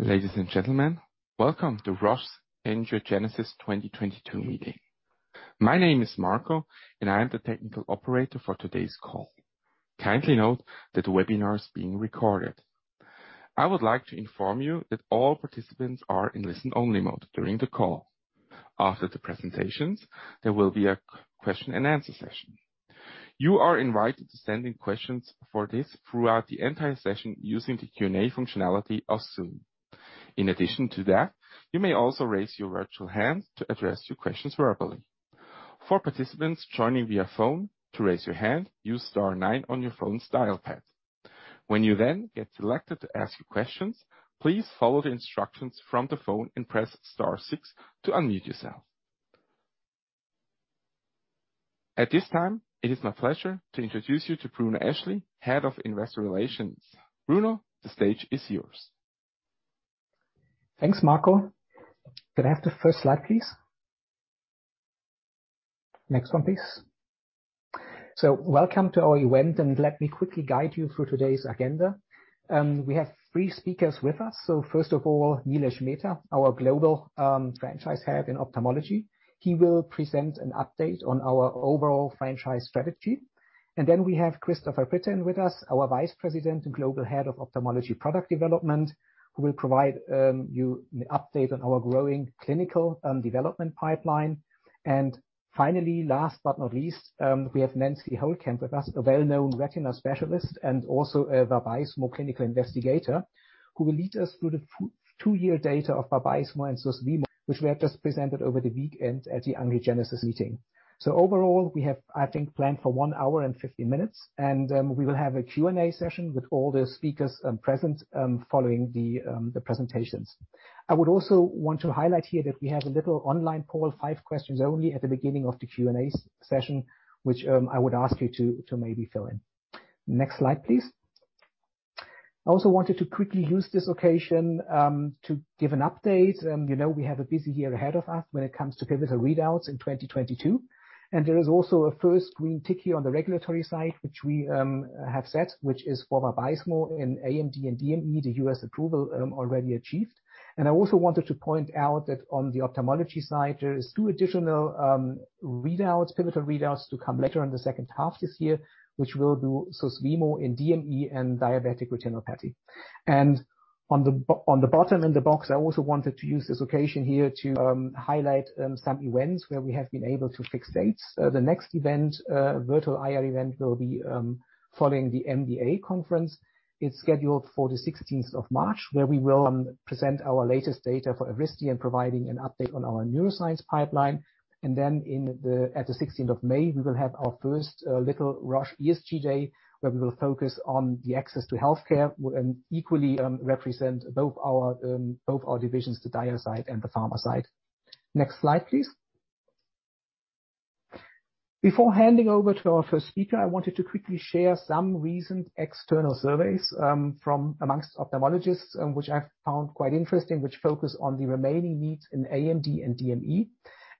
Ladies and gentlemen, welcome to Roche's Angiogenesis 2022 meeting. My name is Marco, and I am the technical operator for today's call. Kindly note that the webinar is being recorded. I would like to inform you that all participants are in listen-only mode during the call. After the presentations, there will be a question and answer session. You are invited to send in questions for this throughout the entire session using the Q&A functionality of Zoom. In addition to that, you may also raise your virtual hand to address your questions verbally. For participants joining via phone, to raise your hand, use star nine on your phone's dial pad. When you then get selected to ask your questions, please follow the instructions from the phone and press star six to unmute yourself. At this time, it is my pleasure to introduce you to Bruno Eschli, Head of Investor Relations. Bruno, the stage is yours. Thanks, Marco. Can I have the first slide, please? Next one, please. Welcome to our event, and let me quickly guide you through today's agenda. We have three speakers with us. First of all, Nilesh Mehta, our Global Franchise Head in Ophthalmology. He will present an update on our overall franchise strategy. Then we have Christopher Brittain with us, our Vice President and Global Head of Ophthalmology Product Development, who will provide you an update on our growing clinical development pipeline. Finally, last but not least, we have Nancy Holekamp with us, a well-known retina specialist and also a Vabysmo clinical investigator, who will lead us through the two-year data of Vabysmo and Susvimo, which we have just presented over the weekend at the Angiogenesis meeting. Overall, we have, I think, planned for 1 hour and 50 minutes. We will have a Q&A session with all the speakers present following the presentations. I would also want to highlight here that we have a little online poll, five questions only at the beginning of the Q&A session, which I would ask you to maybe fill in. Next slide, please. I also wanted to quickly use this occasion to give an update. You know, we have a busy year ahead of us when it comes to pivotal readouts in 2022, and there is also a first green tick here on the regulatory side, which we have set, which is for Vabysmo in AMD and DME, the U.S. approval already achieved. I also wanted to point out that on the ophthalmology side, there is two additional readouts, pivotal readouts to come later in the second half this year, which will for Susvimo in DME and diabetic retinopathy. On the bottom in the box, I also wanted to use this occasion here to highlight some events where we have been able to fix dates. The next event, virtual IR event, will be following the MDA conference. It's scheduled for the sixteenth of March, where we will present our latest data for Arystay and providing an update on our neuroscience pipeline. Then at the sixteenth of May, we will have our first little Roche ESG day, where we will focus on the access to healthcare and equally represent both our divisions, the dia side and the pharma side. Next slide, please. Before handing over to our first speaker, I wanted to quickly share some recent external surveys from among ophthalmologists, which I found quite interesting, which focus on the remaining needs in AMD and DME.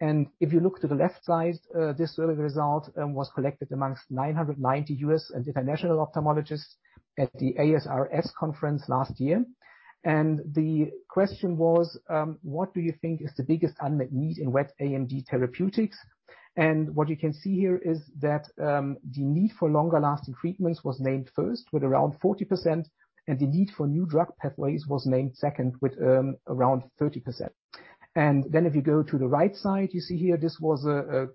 If you look to the left side, this survey result was collected among 990 U.S. and international ophthalmologists at the ASRS conference last year. The question was, "What do you think is the biggest unmet need in wet AMD therapeutics?" What you can see here is that, the need for longer-lasting treatments was named first with around 40%, and the need for new drug pathways was named second with, around 30%. Then if you go to the right side, you see here, this was a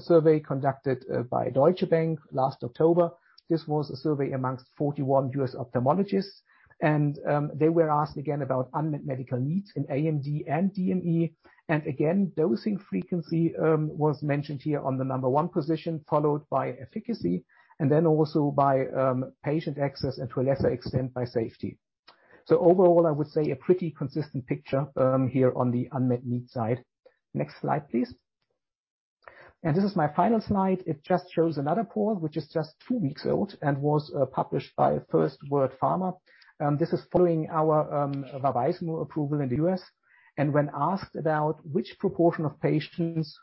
survey conducted by Deutsche Bank last October. This was a survey amongst 41 U.S. ophthalmologists, and, they were asked again about unmet medical needs in AMD and DME. Again, dosing frequency was mentioned here on the number one position, followed by efficacy and then also by, patient access and to a lesser extent, by safety. Overall, I would say a pretty consistent picture here on the unmet need side. Next slide, please. This is my final slide. It just shows another poll, which is just two weeks old and was published by FirstWord Pharma. This is following our Vabysmo approval in the U.S. When asked about which proportion of patients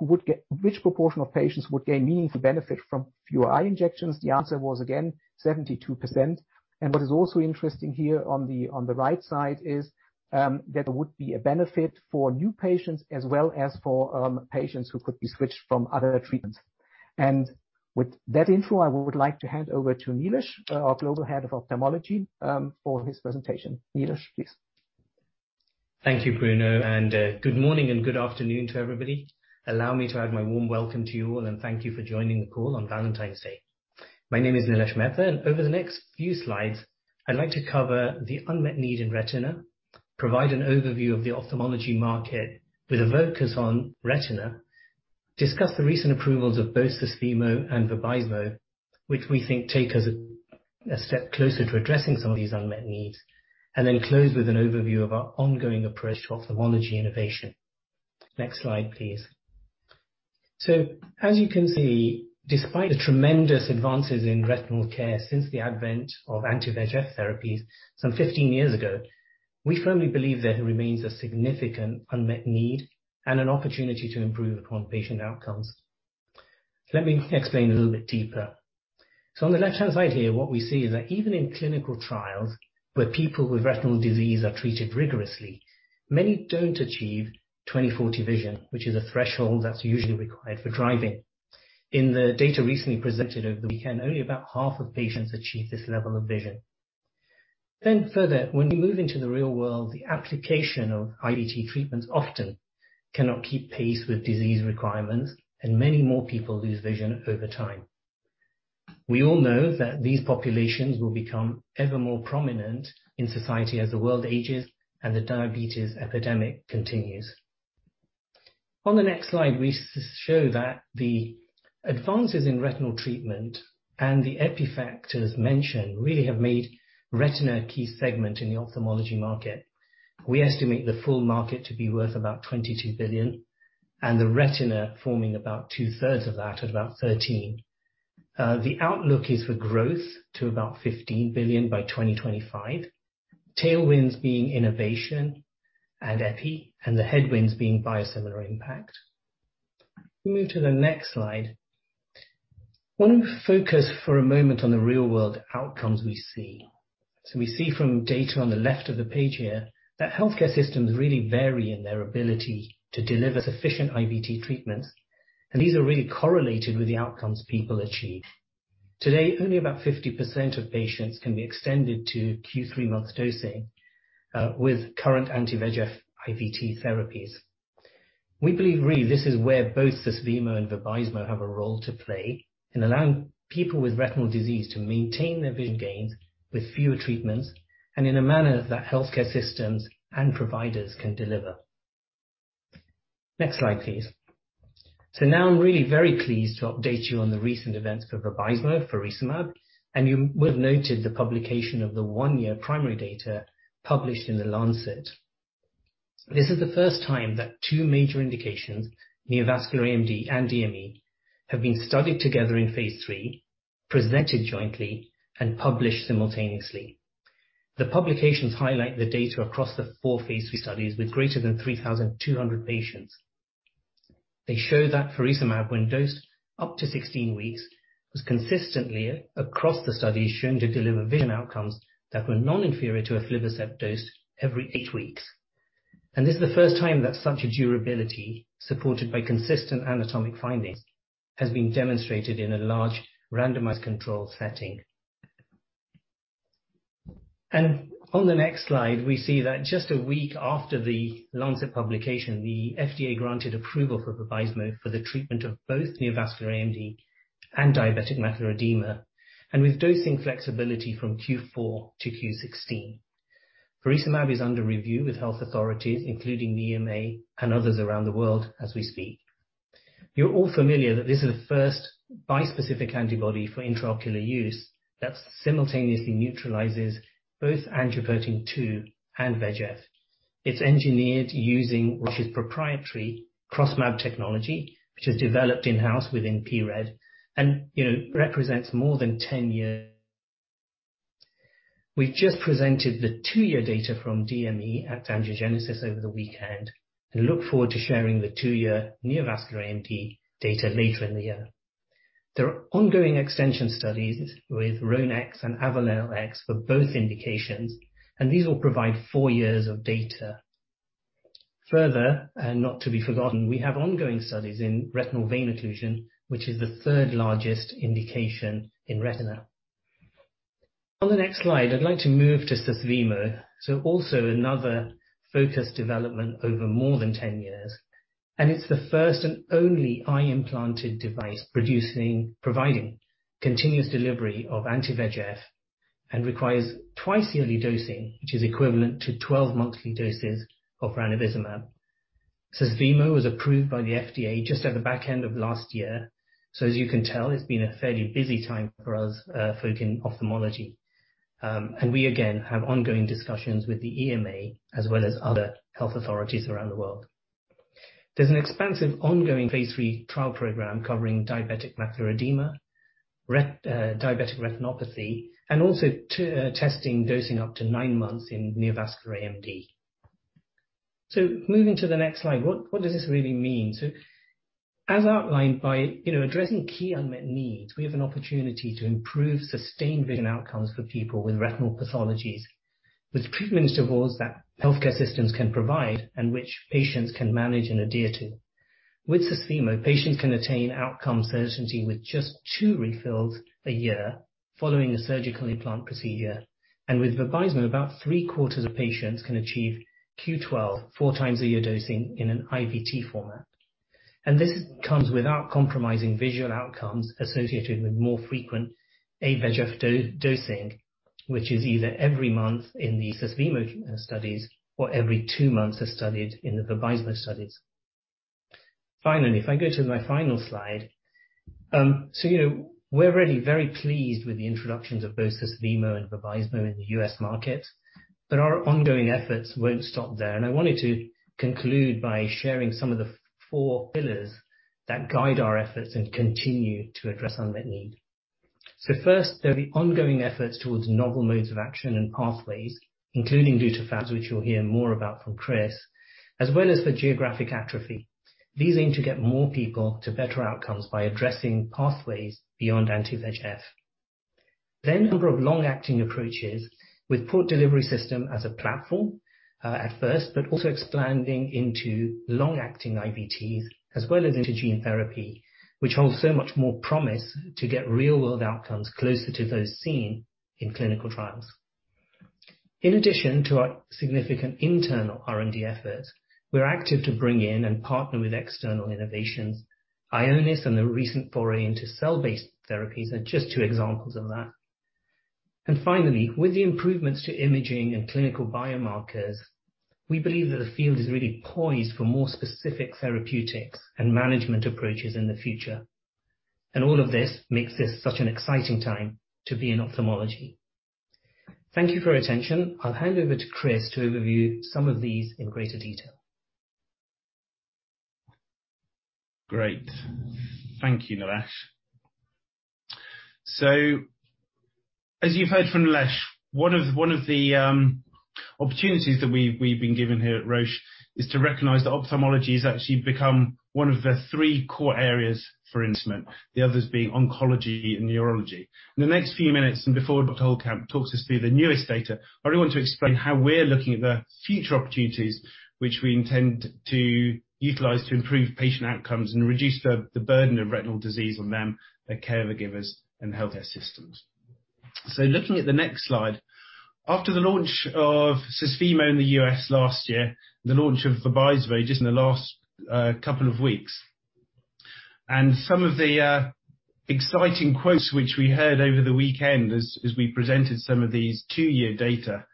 would gain meaningful benefit from fewer eye injections, the answer was again 72%. What is also interesting here on the right side is that there would be a benefit for new patients as well as for patients who could be switched from other treatments. With that intro, I would like to hand over to Nilesh, our Global Head of Ophthalmology, for his presentation. Nilesh, please. Thank you, Bruno, and good morning and good afternoon to everybody. Allow me to add my warm welcome to you all, and thank you for joining the call on Valentine's Day. My name is Nilesh Mehta, and over the next few slides, I'd like to cover the unmet need in retina, provide an overview of the ophthalmology market with a focus on retina, discuss the recent approvals of both Susvimo and Vabysmo, which we think take us a step closer to addressing some of these unmet needs, and then close with an overview of our ongoing approach to ophthalmology innovation. Next slide, please. As you can see, despite the tremendous advances in retinal care since the advent of anti-VEGF therapies some 15 years ago, we firmly believe there remains a significant unmet need and an opportunity to improve upon patient outcomes. Let me explain a little bit deeper. On the left-hand side here, what we see is that even in clinical trials where people with retinal disease are treated rigorously, many don't achieve 20/40 vision, which is a threshold that's usually required for driving. In the data recently presented over the weekend, only about half of patients achieve this level of vision. Further, when we move into the real world, the application of IVT treatments often cannot keep pace with disease requirements, and many more people lose vision over time. We all know that these populations will become ever more prominent in society as the world ages and the diabetes epidemic continues. On the next slide, we show that the advances in retinal treatment and the EPI factors mentioned really have made retina a key segment in the ophthalmology market. We estimate the full market to be worth about $22 billion and the retina forming about two-thirds of that, at about $13 billion. The outlook is for growth to about $15 billion by 2025. Tailwinds being innovation and EPI, and the headwinds being biosimilar impact. If we move to the next slide. Want to focus for a moment on the real world outcomes we see. We see from data on the left of the page here that healthcare systems really vary in their ability to deliver sufficient IVT treatments, and these are really correlated with the outcomes people achieve. Today, only about 50% of patients can be extended to Q3 month dosing with current anti-VEGF IVT therapies. We believe, really, this is where both Susvimo and Vabysmo have a role to play in allowing people with retinal disease to maintain their vision gains with fewer treatments and in a manner that healthcare systems and providers can deliver. Next slide, please. Now I'm really very pleased to update you on the recent events for Vabysmo, faricimab, and you will have noted the publication of the one-year primary data published in The Lancet. This is the first time that two major indications, neovascular AMD and DME, have been studied together in phase III, presented jointly and published simultaneously. The publications highlight the data across the four phase III studies with greater than 3,200 patients. They show that faricimab, when dosed up to 16 weeks, was consistently across the studies, shown to deliver vision outcomes that were non-inferior to aflibercept dosed every 8 weeks. This is the first time that such a durability, supported by consistent anatomic findings, has been demonstrated in a large randomized controlled setting. On the next slide, we see that just a week after The Lancet publication, the FDA granted approval for Vabysmo for the treatment of both neovascular AMD and diabetic macular edema, and with dosing flexibility from Q4 to Q16. faricimab is under review with health authorities, including the EMA and others around the world as we speak. You're all familiar that this is the first bispecific antibody for intraocular use that simultaneously neutralizes both angiopoietin-2 and VEGF. It's engineered using Roche's proprietary CrossMAb technology, which was developed in-house within pRED, and, you know, represents more than 10 years. We've just presented the two-year data from DME at Angiogenesis over the weekend and look forward to sharing the two-year neovascular AMD data later in the year. There are ongoing extension studies with Rhone-X and Avonelle-X for both indications, and these will provide four years of data. Further, and not to be forgotten, we have ongoing studies in retinal vein occlusion, which is the third largest indication in retina. On the next slide, I'd like to move to Susvimo. Also another focused development over more than 10 years, and it's the first and only eye implanted device providing continuous delivery of anti-VEGF and requires twice-yearly dosing, which is equivalent to 12 monthly doses of ranibizumab. Susvimo was approved by the FDA just at the back end of last year. As you can tell, it's been a fairly busy time for us, folk in ophthalmology. We again have ongoing discussions with the EMA as well as other health authorities around the world. There's an expansive ongoing phase III trial program covering diabetic macular edema, diabetic retinopathy and also testing dosing up to nine months in neovascular AMD. Moving to the next slide, what does this really mean? As outlined, by, you know, addressing key unmet needs, we have an opportunity to improve sustained vision outcomes for people with retinal pathologies, with treatment schedules that healthcare systems can provide and which patients can manage and adhere to. With Susvimo, patients can attain outcome certainty with just two refills a year following a surgical implant procedure. With Vabysmo, about three-quarters of patients can achieve Q12, 4 times a year dosing in an IVT format. This comes without compromising visual outcomes associated with more frequent anti-VEGF dosing, which is either every month in the Susvimo studies or every two months as studied in the Vabysmo studies. Finally, if I go to my final slide. So you know, we're really very pleased with the introductions of both Susvimo and Vabysmo in the U.S. market. Our ongoing efforts won't stop there, and I wanted to conclude by sharing some of the four pillars that guide our efforts, and continue to address unmet need. First, there'll be ongoing efforts towards novel modes of action and pathways, including DutaFab, which you'll hear more about from Chris, as well as for geographic atrophy. These aim to get more people to better outcomes by addressing pathways beyond anti-VEGF. The number of long-acting approaches with Port Delivery System as a platform, at first, but also expanding into long-acting IVTs as well as into gene therapy, which holds so much more promise to get real-world outcomes closer to those seen in clinical trials. In addition to our significant internal R&D efforts, we're active to bring in and partner with external innovations. Ionis and the recent foray into cell-based therapies are just two examples of that. Finally, with the improvements to imaging and clinical biomarkers, we believe that the field is really poised for more specific therapeutics and management approaches in the future. All of this makes this such an exciting time to be in ophthalmology. Thank you for your attention. I'll hand over to Chris to overview some of these in greater detail. Great. Thank you, Nilesh. As you've heard from Nilesh, one of the opportunities that we've been given here at Roche is to recognize that ophthalmology has actually become one of the three core areas for investment, the others being oncology and neurology. In the next few minutes and before Dr. Holekamp talks us through the newest data, I really want to explain how we're looking at the future opportunities which we intend to utilize to improve patient outcomes and reduce the burden of retinal disease on them, their caregivers and healthcare systems. Looking at the next slide, after the launch of Susvimo in the U.S. last year, the launch of Vabysmo just in the last couple of weeks and some of the exciting quotes which we heard over the weekend as we presented some of these two-year data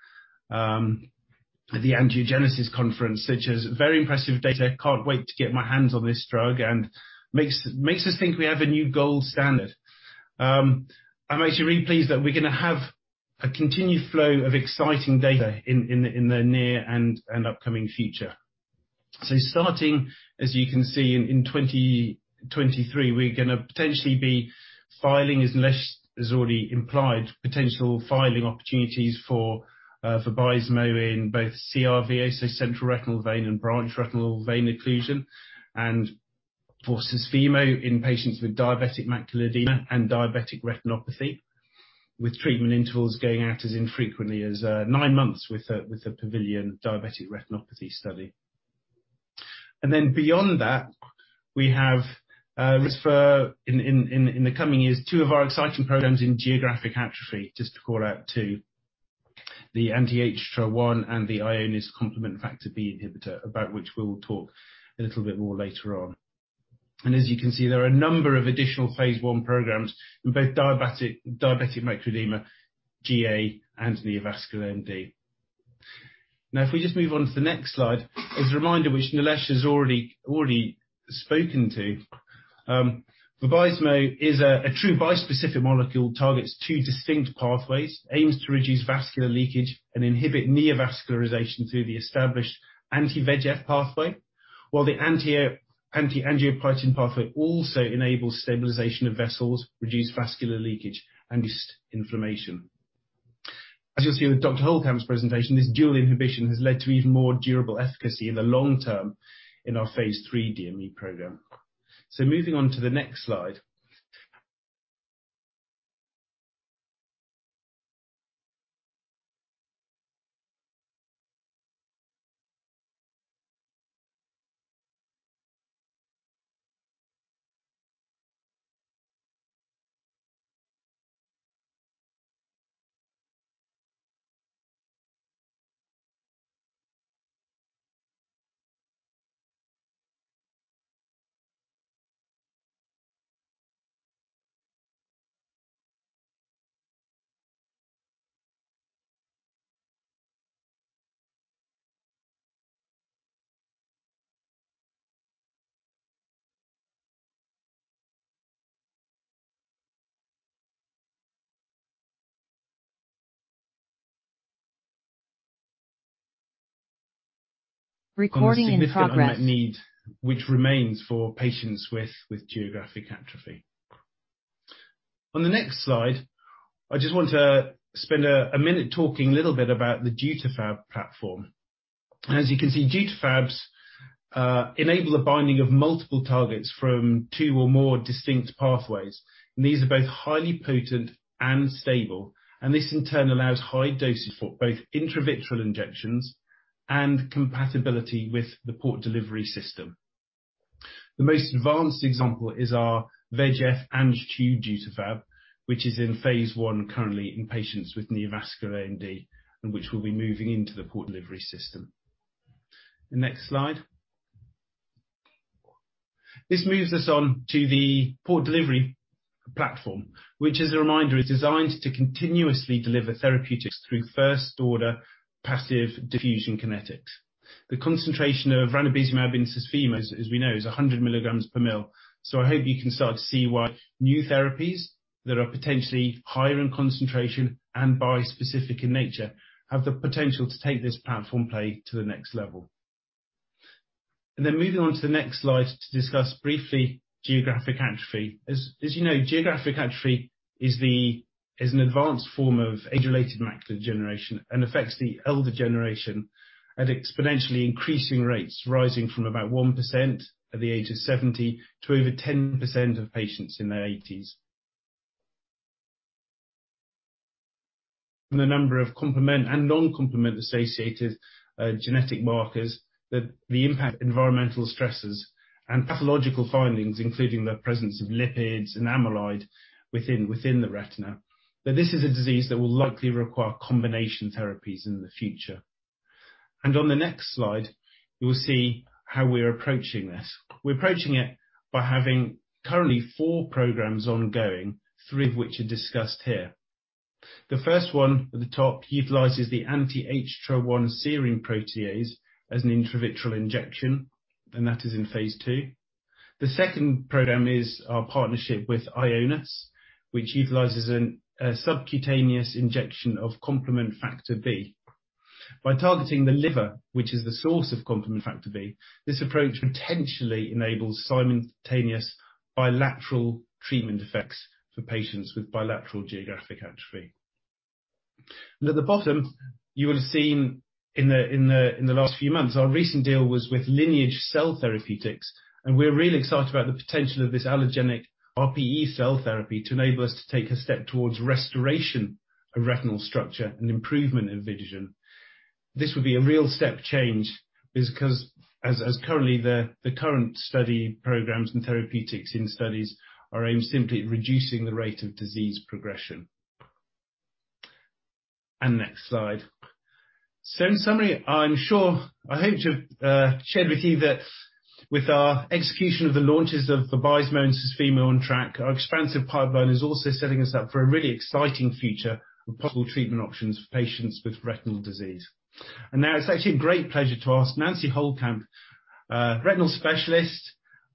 at the Angiogenesis Conference, such as, "Very impressive data. Can't wait to get my hands on this drug," and, "Makes us think we have a new gold standard." I'm actually really pleased that we're gonna have a continued flow of exciting data in the near and upcoming future. Starting, as you can see, in 2023, we're gonna potentially be filing, as Nilesh has already implied, potential filing opportunities for Vabysmo in both CRVO, so central retinal vein and branch retinal vein occlusion. For Susvimo in patients with diabetic macular edema and diabetic retinopathy, with treatment intervals going out as infrequently as 9 months with a Pavilion diabetic retinopathy study. Then beyond that, we have further in the coming years two of our exciting programs in geographic atrophy, just to call out to the anti-HTRA1 and the Ionis complement factor B inhibitor, about which we'll talk a little bit more later on. As you can see, there are a number of additional phase I programs in both diabetic macular edema, GA and neovascular AMD. Now if we just move on to the next slide. As a reminder, which Nilesh has already spoken to, Vabysmo is a true bispecific molecule, targets two distinct pathways, aims to reduce vascular leakage and inhibit neovascularization through the established anti-VEGF pathway. While the anti-angiopoietin pathway also enables stabilization of vessels, reduce vascular leakage and inflammation. As you'll see in Dr. Holekamp's presentation, this dual inhibition has led to even more durable efficacy in the long term in our phase III DME program. Moving on to the next slide. Recording in progress. On the significant unmet need which remains for patients with geographic atrophy. On the next slide, I just want to spend a minute talking a little bit about the DutaFab platform. As you can see, DutaFabs enable the binding of multiple targets from two or more distinct pathways. These are both highly potent and stable. This in turn allows high doses for both intravitreal injections and compatibility with the Port Delivery System. The most advanced example is our VEGF/Ang-2 DutaFab, which is in phase I currently in patients with neovascular AMD, and which will be moving into the Port Delivery System. The next slide. This moves us on to the Port Delivery System platform, which as a reminder, is designed to continuously deliver therapeutics through first order passive diffusion kinetics. The concentration of ranibizumab in Susvimo, as we know, is 100 milligrams per mL. I hope you can start to see why new therapies that are potentially higher in concentration and bispecific in nature have the potential to take this platform play to the next level. Moving on to the next slide to discuss briefly geographic atrophy. As you know, geographic atrophy is an advanced form of age-related macular degeneration and affects the elder generation at exponentially increasing rates, rising from about 1% at the age of 70 to over 10% of patients in their eighties. The number of complement and non-complement associated genetic markers that impact environmental stressors and pathological findings, including the presence of lipids and amyloid within the retina. This is a disease that will likely require combination therapies in the future. On the next slide, you will see how we are approaching this. We're approaching it by having currently four programs ongoing, three of which are discussed here. The first one at the top utilizes the Anti-HtrA1 serine protease as an intravitreal injection, and that is in phase II. The second program is our partnership with Ionis, which utilizes a subcutaneous injection of complement factor B. By targeting the liver, which is the source of complement factor B, this approach potentially enables simultaneous bilateral treatment effects for patients with bilateral geographic atrophy. At the bottom, you will have seen in the last few months, our recent deal was with Lineage Cell Therapeutics, and we're really excited about the potential of this allogeneic RPE cell therapy to enable us to take a step towards restoration of retinal structure and improvement in vision. This would be a real step change because as currently the current study programs and therapeutics in studies are aimed simply at reducing the rate of disease progression. Next slide. In summary, I'm sure I hope to share with you that with our execution of the launches of Vabysmo and Susvimo on track, our expansive pipeline is also setting us up for a really exciting future of possible treatment options for patients with retinal disease. Now it's actually a great pleasure to ask Nancy Holekamp, retinal specialist,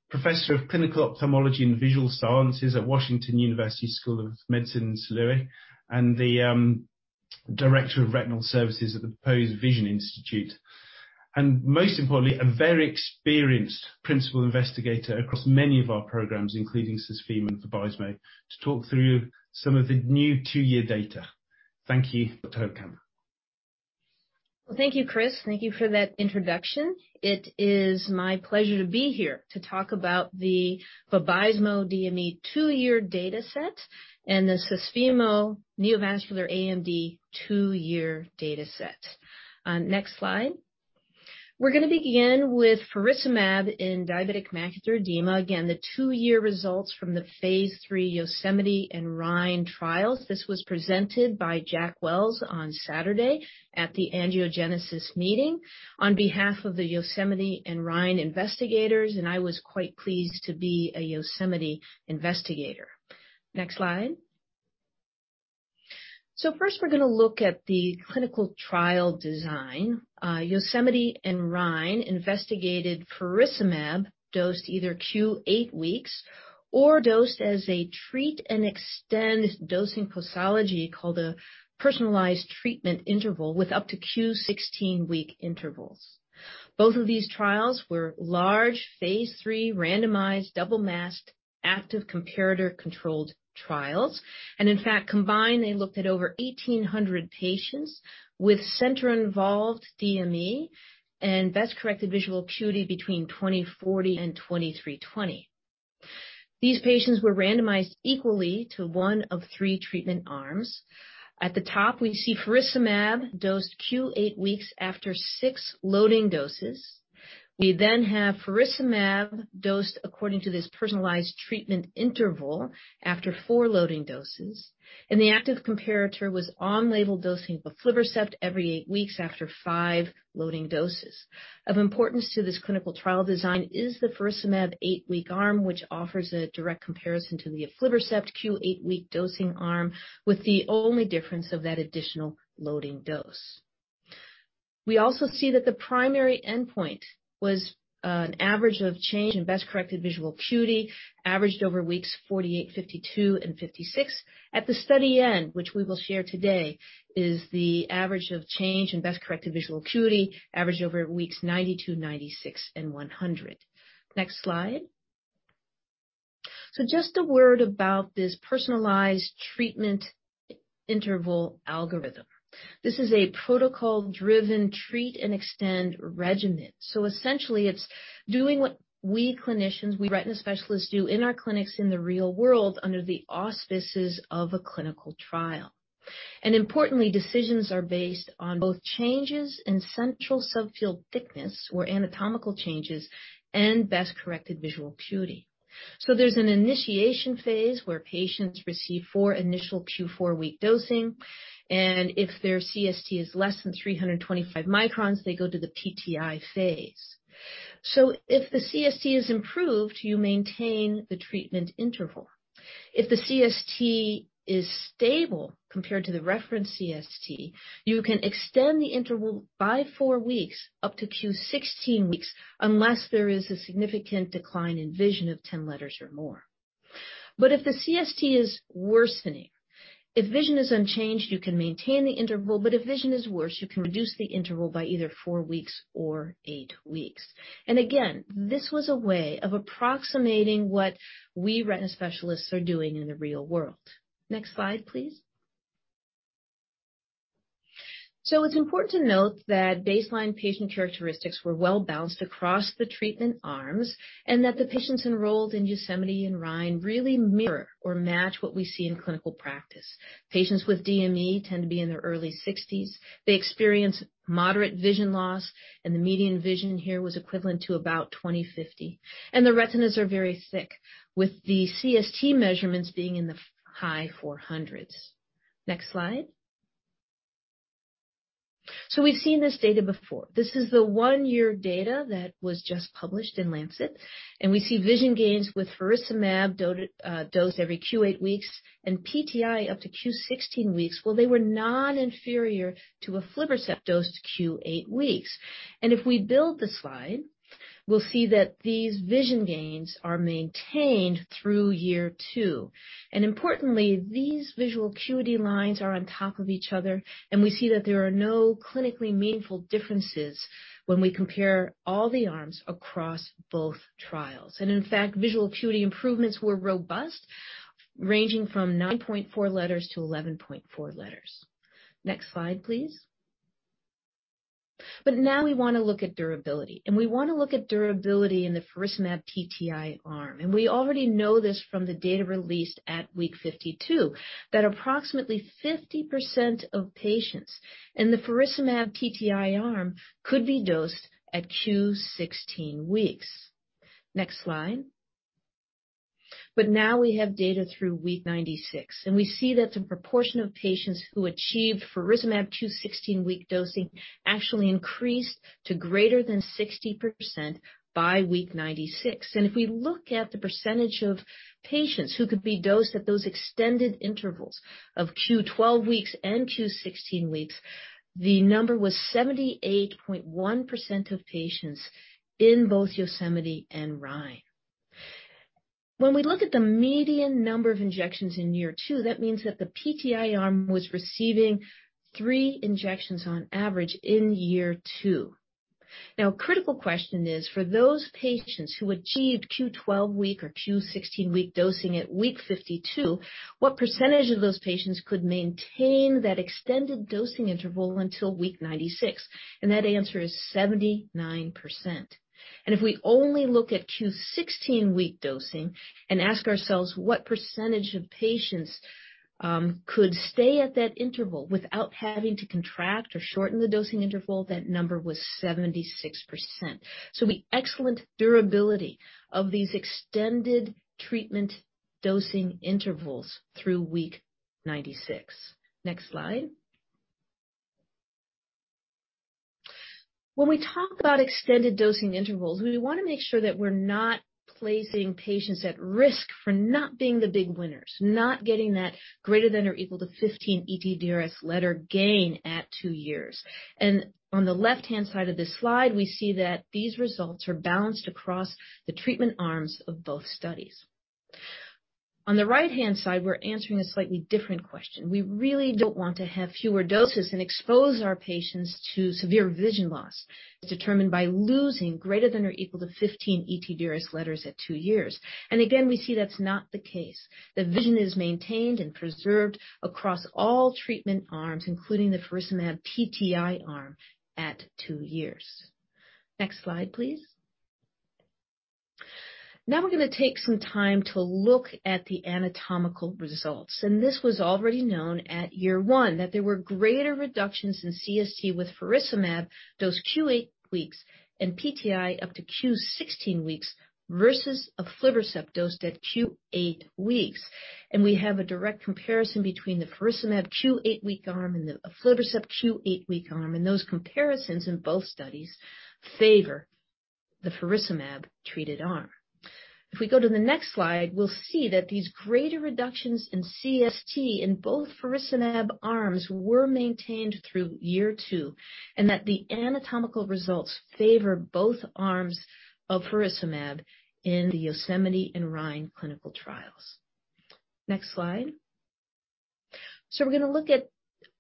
professor of clinical ophthalmology and visual sciences at Washington University School of Medicine in St. Louis, and the director of retinal services at the Pepose Vision Institute. Most importantly, a very experienced principal investigator across many of our programs, including Susvimo and Vabysmo, to talk through some of the new two-year data. Thank you, Dr. Holekamp. Well, thank you, Chris. Thank you for that introduction. It is my pleasure to be here to talk about the Vabysmo DME two-year data set and the Susvimo neovascular AMD 2-year data set. Next slide. We're gonna begin with faricimab in diabetic macular edema. Again, the two-year results from the phase III YOSEMITE and RHINE trials. This was presented by Jack Wells on Saturday at the Angiogenesis meeting on behalf of the YOSEMITE and RHINE investigators, and I was quite pleased to be a YOSEMITE investigator. Next slide. First, we're going to look at the clinical trial design. YOSEMITE and RHINE investigated faricimab dosed either Q8 weeks or dosed as a treat and extend dosing posology called a personalized treatment interval with up to Q16-week intervals. Both of these trials were large phase III randomized, double-masked, active comparator-controlled trials. In fact, combined, they looked at over 1,800 patients with center-involved DME and best-corrected visual acuity between 20/40 and 20/320. These patients were randomized equally to one of three treatment arms. At the top, we see faricimab dosed Q8 weeks after six loading doses. We then have faricimab dosed according to this personalized treatment interval after four loading doses. The active comparator was on-label dosing of aflibercept every 8 weeks after five loading doses. Of importance to this clinical trial design is the faricimab 8-week arm, which offers a direct comparison to the aflibercept Q8-week dosing arm, with the only difference of that additional loading dose. We also see that the primary endpoint was an average of change in best-corrected visual acuity averaged over weeks 48, 52, and 56. At the study end, which we will share today, is the average of change in best-corrected visual acuity averaged over weeks 92, 96, and 100. Next slide. Just a word about this personalized treatment interval algorithm. This is a protocol-driven treat and extend regimen. Essentially, it's doing what we clinicians, we retina specialists do in our clinics in the real world under the auspices of a clinical trial. Importantly, decisions are based on both changes in central subfield thickness or anatomical changes and best-corrected visual acuity. There's an initiation phase where patients receive four initial Q 4-week dosing, and if their CST is less than 325 microns, they go to the PTI phase. If the CST is improved, you maintain the treatment interval. If the CST is stable compared to the reference CST, you can extend the interval by four weeks up to Q 16 weeks unless there is a significant decline in vision of 10 letters or more. If the CST is worsening, if vision is unchanged, you can maintain the interval, but if vision is worse, you can reduce the interval by either four weeks or eight weeks. Again, this was a way of approximating what we retina specialists are doing in the real world. Next slide, please. It's important to note that baseline patient characteristics were well-balanced across the treatment arms and that the patients enrolled in YOSEMITE and RHINE really mirror or match what we see in clinical practice. Patients with DME tend to be in their early 60s. They experience moderate vision loss, and the median vision here was equivalent to about 20/50. The retinas are very thick, with the CST measurements being in the high 400s. Next slide. We've seen this data before. This is the one-year data that was just published in The Lancet, and we see vision gains with faricimab dosed every Q8 weeks and PTI up to Q16 weeks. They were non-inferior to aflibercept dosed Q8 weeks. If we build the slide, we'll see that these vision gains are maintained through year two. Importantly, these visual acuity lines are on top of each other, and we see that there are no clinically meaningful differences when we compare all the arms across both trials. In fact, visual acuity improvements were robust, ranging from 9.4 letters to 11.4 letters. Next slide, please. Now we wanna look at durability, and we wanna look at durability in the faricimab PTI arm. We already know this from the data released at week 52, that approximately 50% of patients in the faricimab PTI arm could be dosed at Q16 weeks. Next slide. Now we have data through week 96, and we see that the proportion of patients who achieved faricimab Q16-week dosing actually increased to greater than 60% by week 96. If we look at the percentage of patients who could be dosed at those extended intervals of Q12 weeks and Q16 weeks, the number was 78.1% of patients in both YOSEMITE and RHINE. When we look at the median number of injections in year two, that means that the PTI arm was receiving three injections on average in year two. Now, a critical question is, for those patients who achieved Q 12-week or Q 16-week dosing at week 52, what percentage of those patients could maintain that extended dosing interval until week 96? That answer is 79%. If we only look at Q 16-week dosing and ask ourselves what percentage of patients could stay at that interval without having to contract or shorten the dosing interval, that number was 76%. The excellent durability of these extended treatment dosing intervals through week 96. Next slide. When we talk about extended dosing intervals, we wanna make sure that we're not placing patients at risk for not being the big winners, not getting that greater than or equal to 15 ETDRS letter gain at two years. On the left-hand side of this slide, we see that these results are balanced across the treatment arms of both studies. On the right-hand side, we're answering a slightly different question. We really don't want to have fewer doses and expose our patients to severe vision loss as determined by losing greater than or equal to 15 ETDRS letters at two years. We see that's not the case. The vision is maintained and preserved across all treatment arms, including the faricimab PTI arm at two years. Next slide, please. Now we're gonna take some time to look at the anatomical results. This was already known at year 1, that there were greater reductions in CST with faricimab dose Q8 weeks and PTI up to Q16 weeks versus aflibercept dosed at Q8 weeks. We have a direct comparison between the faricimab Q 8-week arm and the aflibercept Q 8-week arm, and those comparisons in both studies favor the faricimab-treated arm. If we go to the next slide, we'll see that these greater reductions in CST in both faricimab arms were maintained through year 2 and that the anatomical results favor both arms of faricimab in the YOSEMITE and RHINE clinical trials. Next slide. We're gonna look at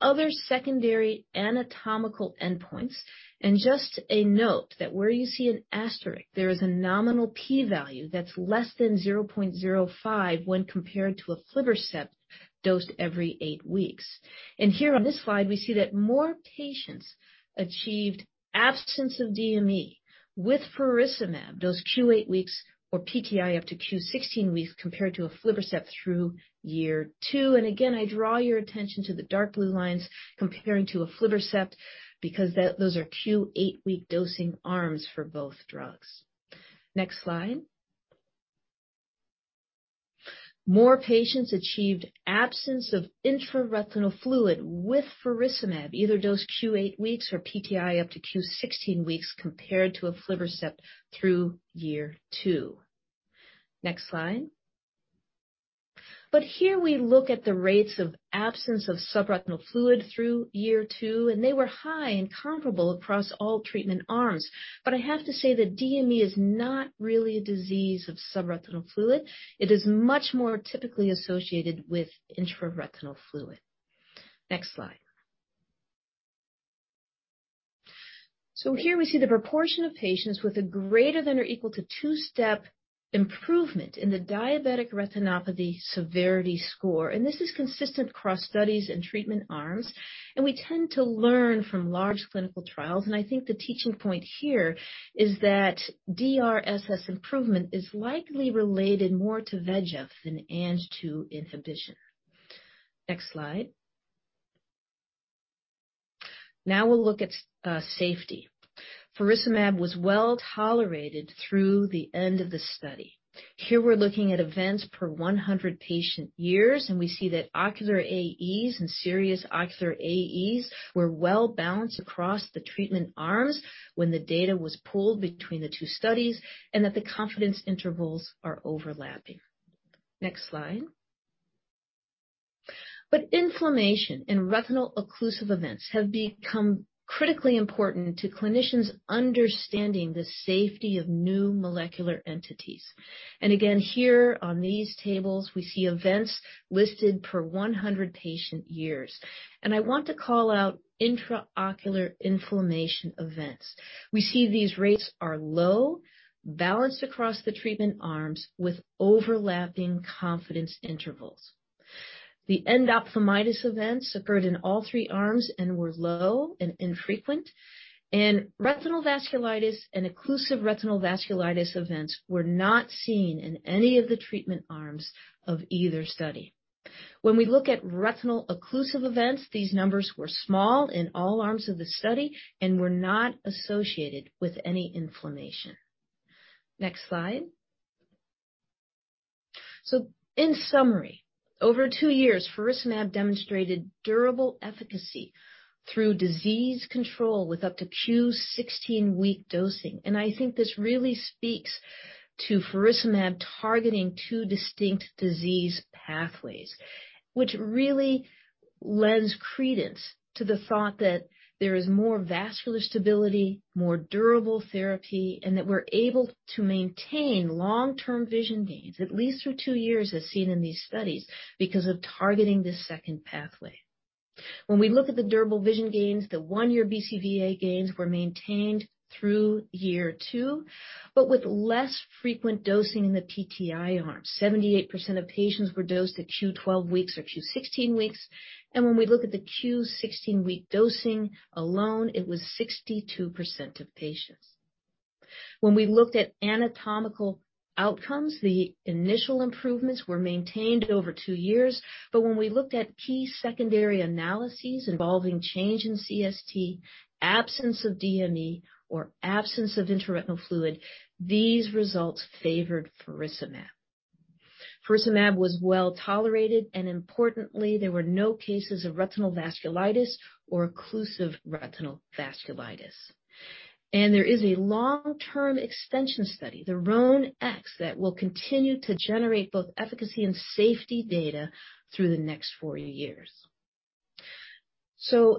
other secondary anatomical endpoints. Just a note that where you see an asterisk, there is a nominal p-value that's less than 0.05 when compared to aflibercept dosed every eight weeks. Here on this slide, we see that more patients achieved absence of DME with faricimab-dose Q 8 weeks or PTI up to Q 16 weeks compared to aflibercept through year two. Again, I draw your attention to the dark blue lines comparing to aflibercept because those are Q8-week dosing arms for both drugs. Next slide. More patients achieved absence of intraretinal fluid with faricimab, either dosed Q8 weeks or PTI up to Q16 weeks compared to aflibercept through year 2. Next slide. Here we look at the rates of absence of subretinal fluid through year two, and they were high and comparable across all treatment arms. I have to say that DME is not really a disease of subretinal fluid. It is much more typically associated with intraretinal fluid. Next slide. Here we see the proportion of patients with a greater than or equal to two-step improvement in the diabetic retinopathy severity score. This is consistent across studies and treatment arms. We tend to learn from large clinical trials. I think the teaching point here is that DRSS improvement is likely related more to VEGF than Ang-2 inhibition. Next slide. Now we'll look at safety. Faricimab was well-tolerated through the end of the study. Here we're looking at events per 100 patient years, and we see that ocular AEs and serious ocular AEs were well-balanced across the treatment arms when the data was pooled between the two studies, and that the confidence intervals are overlapping. Next slide. Inflammation, and retinal occlusive events have become critically important to clinicians understanding the safety of new molecular entities. Again, here on these tables, we see events listed per 100 patient years. I want to call out intraocular inflammation events. We see these rates are low, balanced across the treatment arms with overlapping confidence intervals. The endophthalmitis events occurred in all three arms and were low, and infrequent. Retinal vasculitis and occlusive retinal vasculitis events were not seen in any of the treatment arms of either study. When we look at retinal occlusive events, these numbers were small in all arms of the study and were not associated with any inflammation. Next slide. In summary, over two years, faricimab demonstrated durable efficacy through disease control with up to Q16-week dosing. I think this really speaks to faricimab targeting two distinct disease pathways, which really lends credence to the thought that there is more vascular stability, more durable therapy, and that we're able to maintain long-term vision gains, at least through two years, as seen in these studies, because of targeting this second pathway. When we look at the durable vision gains, the one-year BCVA gains were maintained through year two, but with less frequent dosing in the PTI arm. 78% of patients were dosed at Q12 weeks or Q16 weeks. When we look at the Q16-week dosing alone, it was 62% of patients. When we looked at anatomical outcomes, the initial improvements were maintained over two years. When we looked at key secondary analyses involving change in CST, absence of DME, or absence of intraretinal fluid, these results favored faricimab. Faricimab was well-tolerated, and importantly, there were no cases of retinal vasculitis or occlusive retinal vasculitis. There is a long-term extension study, the RHONE-X, that will continue to generate both efficacy and safety data through the next four years.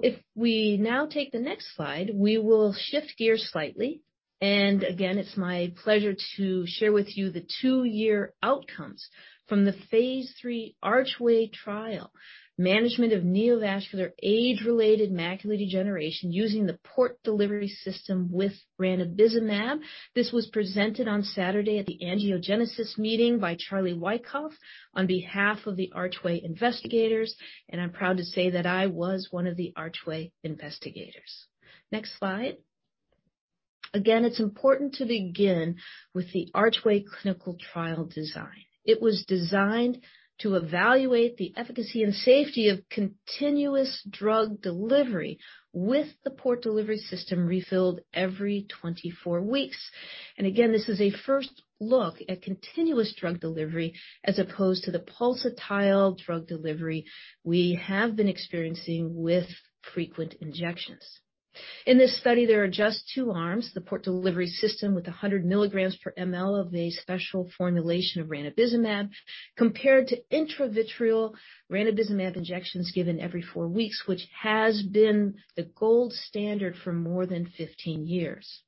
If we now take the next slide, we will shift gears slightly. Again, it's my pleasure to share with you the two-year outcomes from the phase III Archway trial, management of neovascular age-related macular degeneration using the Port Delivery System with ranibizumab. This was presented on Saturday at the Angiogenesis meeting by Charlie Wyckoff on behalf of the Archway investigators. I'm proud to say that I was one of the Archway investigators. Next slide. Again, it's important to begin with the Archway clinical trial design. It was designed to evaluate the efficacy and safety of continuous drug delivery with the Port Delivery System refilled every 24 weeks. Again, this is a first look at continuous drug delivery as opposed to the pulsatile drug delivery we have been experiencing with frequent injections. In this study, there are just two arms, the Port Delivery System with 100 milligrams per mL of a special formulation of ranibizumab, compared to intravitreal ranibizumab injections given every four weeks, which has been the gold standard for more than 15 years.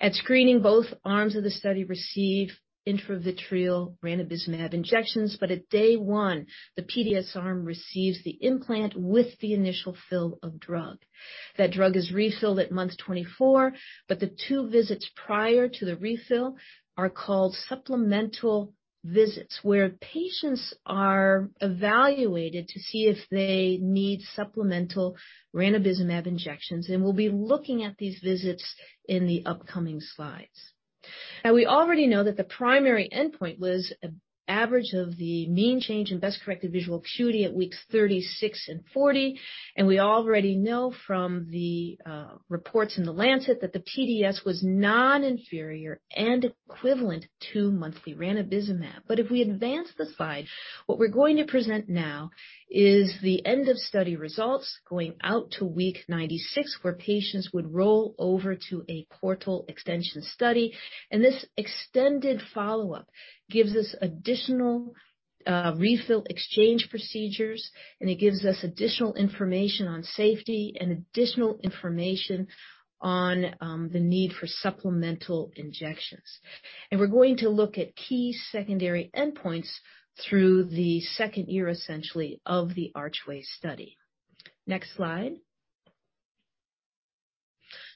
At screening, both arms of the study receive intravitreal ranibizumab injections, but at day one, the PDS arm receives the implant with the initial fill of drug. That drug is refilled at month 24, but the two visits prior to the refill are called supplemental visits, where patients are evaluated to see if they need supplemental ranibizumab injections. We'll be looking at these visits in the upcoming slides. Now, we already know that the primary endpoint was an average of the mean change in best-corrected visual acuity at weeks 36 and 40. We already know from the reports in The Lancet that the PDS was non-inferior, and equivalent to monthly ranibizumab. But if we advance the slide, what we're going to present now is the end-of-study results going out to week 96, where patients would roll over to a port extension study. This extended follow-up gives us additional refill exchange procedures, and it gives us additional information on safety and additional information on the need for supplemental injections. We're going to look at key secondary endpoints through the second year, essentially, of the Archway study. Next slide.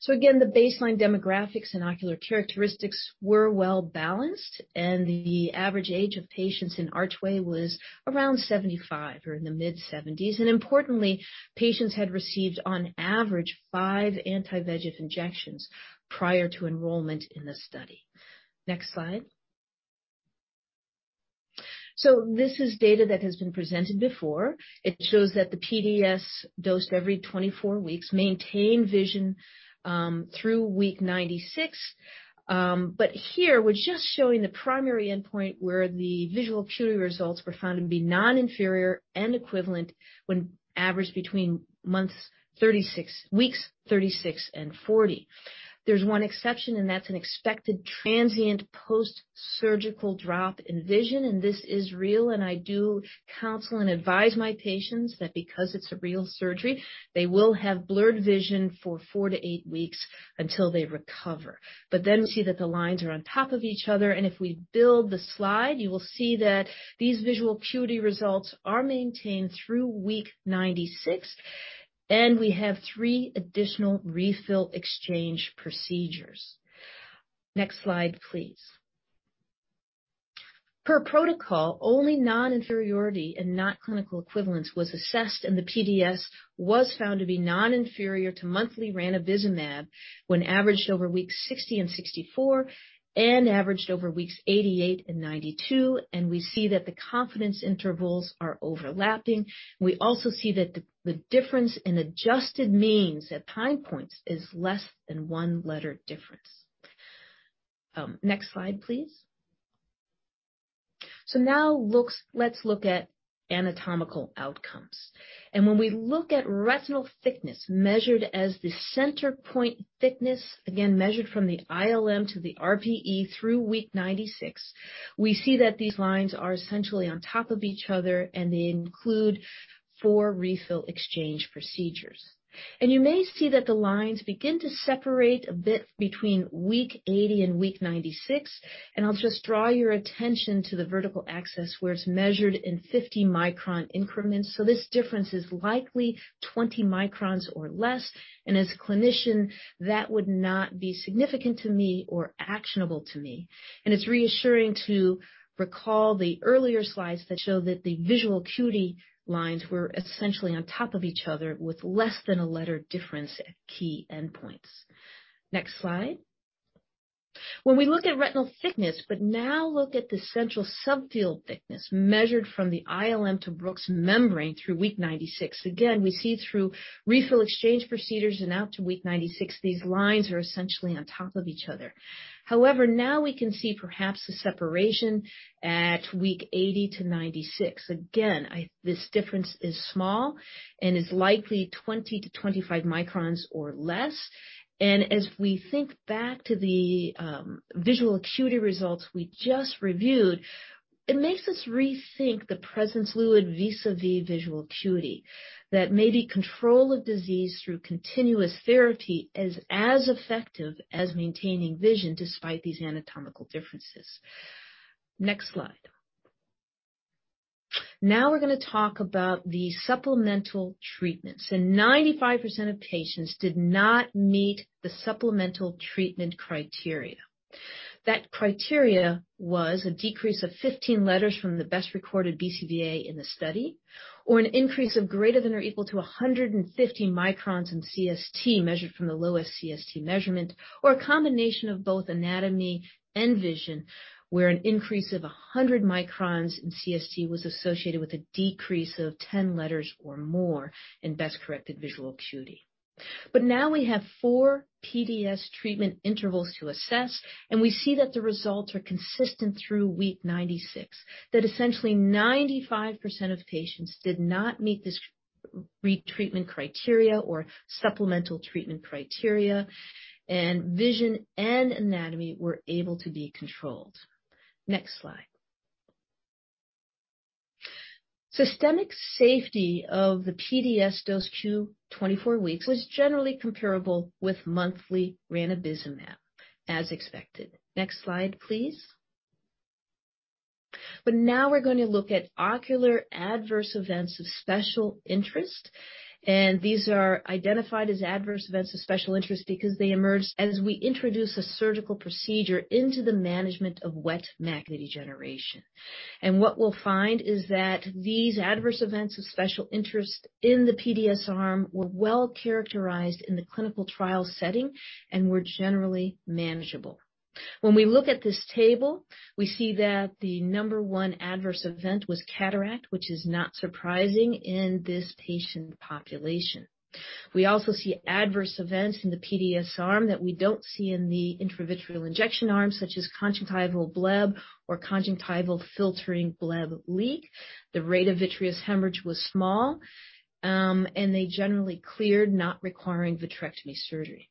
Again, the baseline demographics and ocular characteristics were well-balanced, and the average age of patients in Archway was around 75 or in the mid-70s. Importantly, patients had received on average five anti-VEGF injections prior to enrollment in the study. Next slide. This is data that has been presented before. It shows that the PDS dosed every 24 weeks maintained vision through week 96. But here we're just showing the primary endpoint where the visual acuity results were found to be non-inferior and equivalent when averaged between weeks 36 and 40. There's one exception, and that's an expected transient post-surgical drop in vision, and this is real, and I do counsel and advise my patients that because it's a real surgery, they will have blurred vision for four to eight weeks until they recover. Then see that the lines are on top of each other. If we build the slide, you will see that these visual acuity results are maintained through week 96, and we have three additional refill exchange procedures. Next slide, please. Per protocol, only non-inferiority and not clinical equivalence was assessed, and the PDS was found to be non-inferior to monthly ranibizumab when averaged over weeks 60 and 64 and averaged over weeks 88 and 92, and we see that the confidence intervals are overlapping. We also see that the difference in adjusted means at time points is less than one letter difference. Next slide, please. Let's look at anatomical outcomes. When we look at retinal thickness measured as the center point thickness, again measured from the ILM to the RPE through week 96, we see that these lines are essentially on top of each other and they include four refill exchange procedures. You may see that the lines begin to separate a bit between week 80 and week 96. I'll just draw your attention to the vertical axis where it's measured in 50-micron increments. This difference is likely 20 microns or less, and as a clinician, that would not be significant to me or actionable to me. It's reassuring to recall the earlier slides that show that the visual acuity lines were essentially on top of each other with less than a letter difference at key endpoints. Next slide. Now look at the central subfield thickness measured from the ILM to Bruch's membrane through week 96. Again, we see through refill exchange procedures and out to week 96, these lines are essentially on top of each other. However, now we can see perhaps the separation at week 80-96. Again, this difference is small and is likely 20-25 microns or less. As we think back to the visual acuity results we just reviewed, it makes us rethink the presence of fluid vis-à-vis visual acuity, that maybe control of disease through continuous therapy is as effective as maintaining vision despite these anatomical differences. Next slide. Now we're gonna talk about the supplemental treatments, and 95% of patients did not meet the supplemental treatment criteria. That criteria was a decrease of 15 letters from the best recorded BCVA in the study or an increase of greater than or equal to 150 microns in CST measured from the lowest CST measurement or a combination of both anatomy and vision, where an increase of 100 microns in CST was associated with a decrease of 10 letters or more in best corrected visual acuity. Now we have 4 PDS treatment intervals to assess, and we see that the results are consistent through week 96, that essentially 95% of patients did not meet this retreatment criteria or supplemental treatment criteria, and vision and anatomy were able to be controlled. Next slide. Systemic safety of the PDS dose q24 weeks was generally comparable with monthly ranibizumab, as expected. Next slide, please. Now we're gonna look at ocular adverse events of special interest, and these are identified as adverse events of special interest because they emerged as we introduce a surgical procedure into the management of wet macular degeneration. What we'll find is that these adverse events of special interest in the PDS arm were well-characterized in the clinical trial setting and were generally manageable. When we look at this table, we see that the number one adverse event was cataract, which is not surprising in this patient population. We also see adverse events in the PDS arm that we don't see in the intravitreal injection arm, such as conjunctival bleb or conjunctival filtering bleb leak. The rate of vitreous hemorrhage was small, and they generally cleared, not requiring vitrectomy surgery.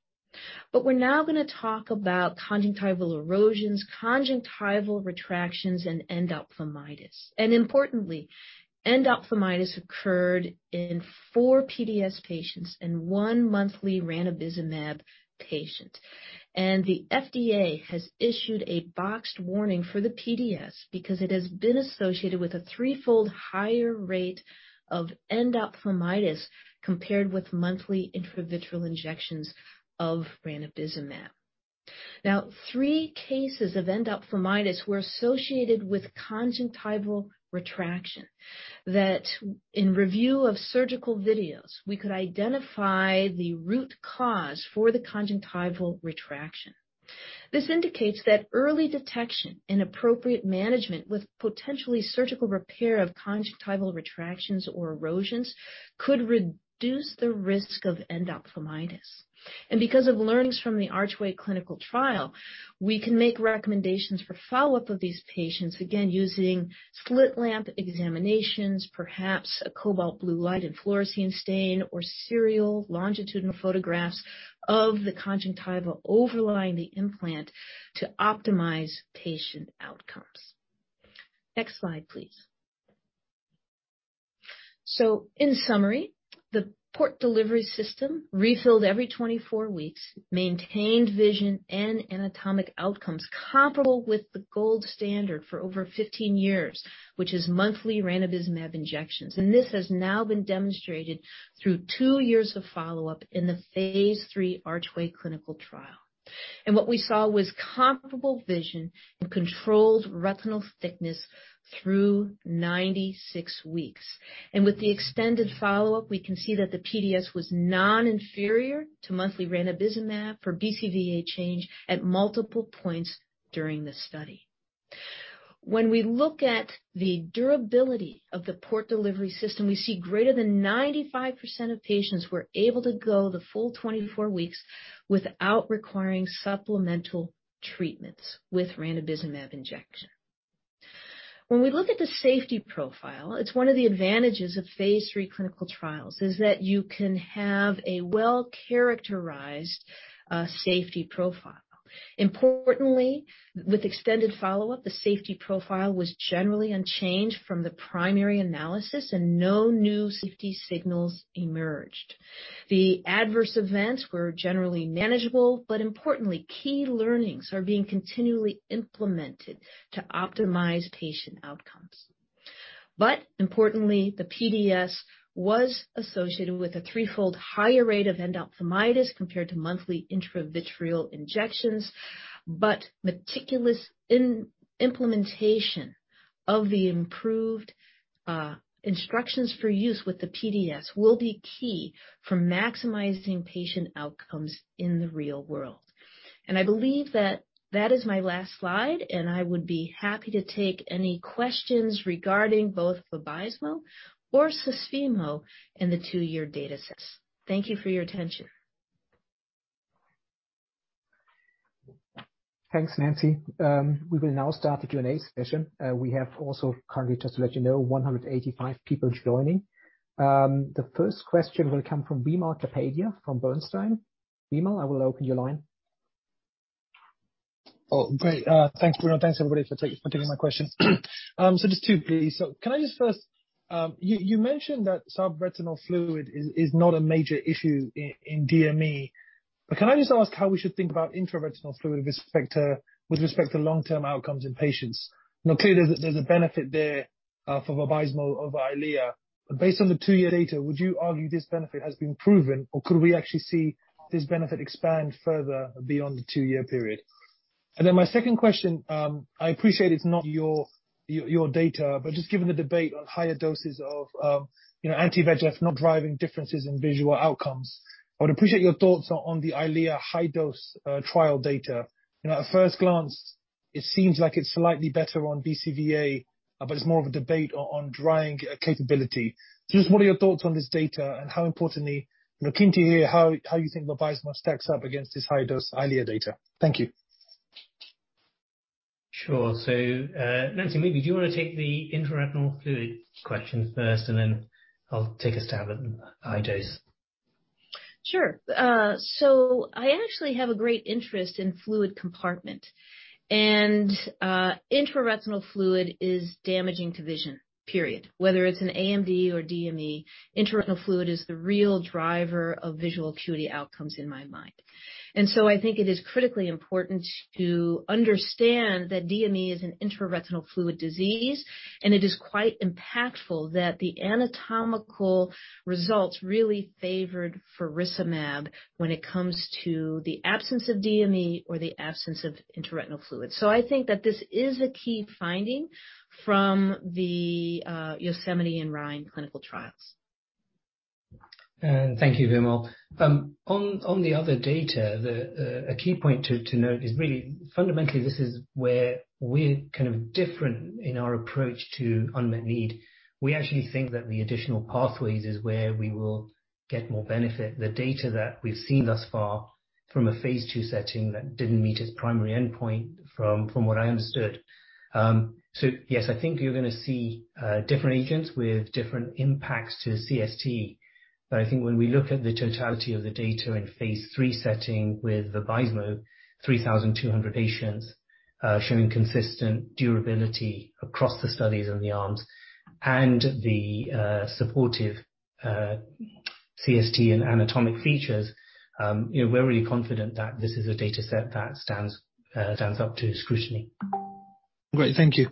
We're now gonna talk about conjunctival erosions, conjunctival retractions, and endophthalmitis. Importantly, endophthalmitis occurred in 4 PDS patients and one monthly ranibizumab patient. The FDA has issued a boxed warning for the PDS because it has been associated with a threefold higher rate of endophthalmitis compared with monthly intravitreal injections of ranibizumab. Now, three cases of endophthalmitis were associated with conjunctival retraction that, in review of surgical videos, we could identify the root cause for the conjunctival retraction This indicates that early detection and appropriate management with potentially surgical repair of conjunctival retractions or erosions could reduce the risk of endophthalmitis. Because of learnings from the Archway clinical trial, we can make recommendations for follow-up of these patients, again, using slit lamp examinations, perhaps a cobalt blue light and fluorescein stain, or serial longitudinal photographs of the conjunctiva overlying the implant to optimize patient outcomes. Next slide, please. In summary, the Port Delivery System refilled every 24 weeks, maintained vision and anatomic outcomes comparable with the gold standard for over 15 years, which is monthly ranibizumab injections. This has now been demonstrated through two years of follow-up in the phase III Archway clinical trial. What we saw was comparable vision and controlled retinal thickness through 96 weeks. With the extended follow-up, we can see that the PDS was non-inferior to monthly ranibizumab for BCVA change at multiple points during the study. When we look at the durability of the Port Delivery System, we see greater than 95% of patients were able to go the full 24 weeks without requiring supplemental treatments with ranibizumab injection. When we look at the safety profile, it's one of the advantages of phase III clinical trials, is that you can have a well-characterized safety profile. Importantly, with extended follow-up, the safety profile was generally unchanged from the primary analysis, and no new safety signals emerged. The adverse events were generally manageable, but importantly, key learnings are being continually implemented to optimize patient outcomes. Importantly, the PDS was associated with a threefold higher rate of endophthalmitis compared to monthly intravitreal injections, but meticulous implementation of the improved instructions for use with the PDS will be key for maximizing patient outcomes in the real world. I believe that is my last slide, and I would be happy to take any questions regarding both Vabysmo or Susvimo in the two-year data sets. Thank you for your attention. Thanks, Nancy. We will now start the Q&A session. We have also currently, just to let you know, 185 people joining. The first question will come from Vimal Kapadia from Bernstein. Vimal, I will open your line. Oh, great. Thanks, Bruno. Thanks, everybody for taking my questions. Just two, please. You mentioned that subretinal fluid is not a major issue in DME. Can I just ask how we should think about intraretinal fluid with respect to long-term outcomes in patients? Now, clearly, there's a benefit there for Vabysmo over Eylea. Based on the two-year data, would you argue this benefit has been proven, or could we actually see this benefit expand further beyond the two-year period? Then my second question, I appreciate it's not your data, but just given the debate on higher doses of, you know, anti-VEGF not driving differences in visual outcomes, I would appreciate your thoughts on the Eylea high dose trial data. You know, at first glance, it seems like it's slightly better on BCVA, but it's more of a debate on drying capability. Just what are your thoughts on this data and how importantly, you know, keen to hear how you think Vabysmo stacks up against this high dose Eylea data. Thank you. Sure. Nancy, maybe do you wanna take the intraretinal fluid question first, and then I'll take a stab at high dose. Sure. I actually have a great interest in fluid compartment. Intraretinal fluid is damaging to vision, period. Whether it's an AMD or DME, intraretinal fluid is the real driver of visual acuity outcomes in my mind. I think it is critically important to understand that DME is an intraretinal fluid disease, and it is quite impactful that the anatomical results really favored faricimab when it comes to the absence of DME or the absence of intraretinal fluid. I think that this is a key finding from the YOSEMITE and RHINE clinical trials. Thank you, Vimal. On the other data, a key point to note is really fundamentally this is where we're kind of different in our approach to unmet need. We actually think that the additional pathways is where we will get more benefit. The data that we've seen thus far. From a phase II setting that didn't meet its primary endpoint, from what I understood. Yes, I think you're gonna see different agents with different impacts to CST. I think when we look at the totality of the data in phase III setting with Vabysmo, 3,200 patients showing consistent durability across the studies and the arms and the supportive CST and anatomic features, you know, we're really confident that this is a data set that stands up to scrutiny. Great. Thank you.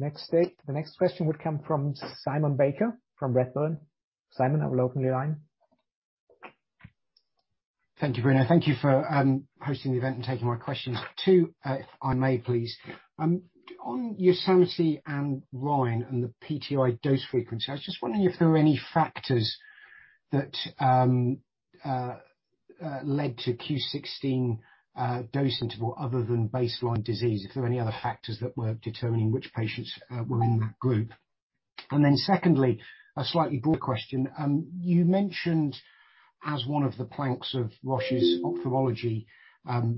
Next question. The next question would come from Simon Baker from Redburn. Simon, I will open the line. Thank you, Bruno. Thank you for hosting the event and taking my questions. Two, if I may, please. On YOSEMITE and RHINE and the PTI dose frequency, I was just wondering if there were any factors that led to Q 16 dosing interval other than baseline disease. If there were any other factors that were determining which patients were in that group. Secondly, a slightly broad question. You mentioned as one of the planks of Roche's ophthalmology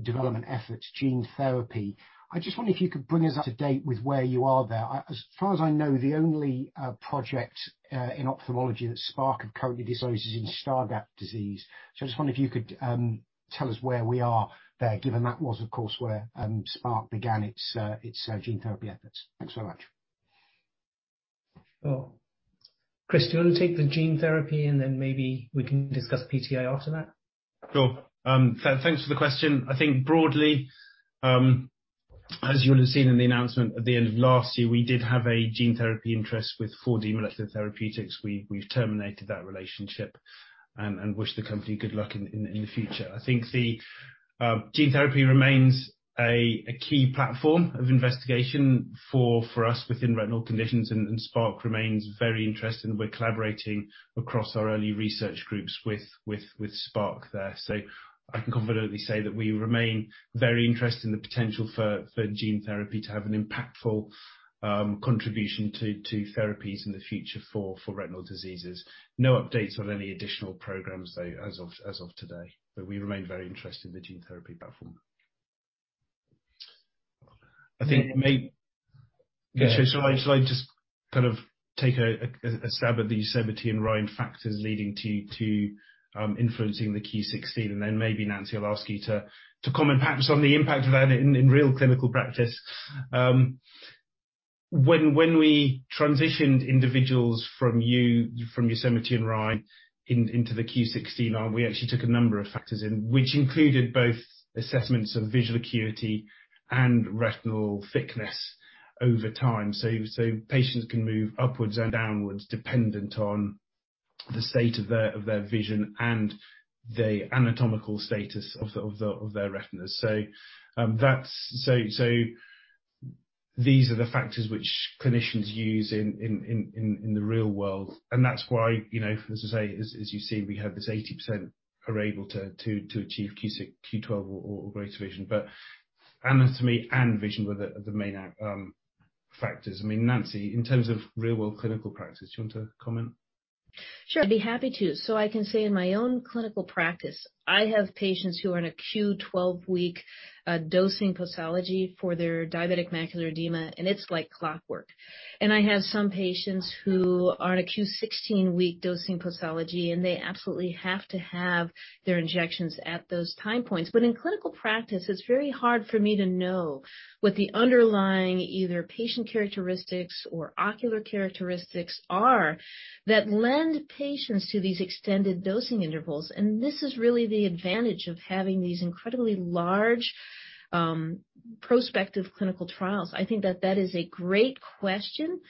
development efforts gene therapy. I just wonder if you could bring us up to date with where you are there. As far as I know, the only project in ophthalmology that Spark have currently disclosed is in Stargardt disease. I just wonder if you could tell us where we are there, given that was of course where Spark began its gene therapy efforts. Thanks so much. Well, Chris, do you want to take the gene therapy, and then maybe we can discuss PTI after that? Sure. Thanks for the question. I think broadly, as you will have seen in the announcement at the end of last year, we did have a gene therapy interest with 4D Molecular Therapeutics. We've terminated that relationship and wish the company good luck in the future. I think gene therapy remains a key platform of investigation for us within retinal conditions, and Spark remains very interested, and we're collaborating across our early research groups with Spark there. I can confidently say that we remain very interested in the potential for gene therapy to have an impactful contribution to therapies in the future for retinal diseases. No updates on any additional programs though as of today, but we remain very interested in the gene therapy platform. I think may- Yeah. Shall I just kind of take a stab at the YOSEMITE and RHINE factors leading to influencing the Q 16 and then maybe Nancy, I'll ask you to comment perhaps on the impact of that in real clinical practice. When we transitioned individuals from YOSEMITE and RHINE into the Q 16 arm, we actually took a number of factors in which included both assessments of visual acuity and retinal thickness over time. Patients can move upwards and downwards dependent on the state of their vision and the anatomical status of their retinas. That's... These are the factors which clinicians use in the real world, and that's why, you know, as I say, as you see, we have this 80% are able to achieve Q8-Q12 or greater vision. But anatomy and vision were the main factors. I mean, Nancy, in terms of real world clinical practice, do you want to comment? Sure, I'd be happy to. I can say in my own clinical practice, I have patients who are on a Q12-week dosing posology for their diabetic macular edema, and it's like clockwork. I have some patients who are on a Q16-week dosing posology, and they absolutely have to have their injections at those time points. In clinical practice, it's very hard for me to know what the underlying, either patient characteristics or ocular characteristics are that lend patients to these extended dosing intervals. This is really the advantage of having these incredibly large prospective clinical trials. I think that is a great question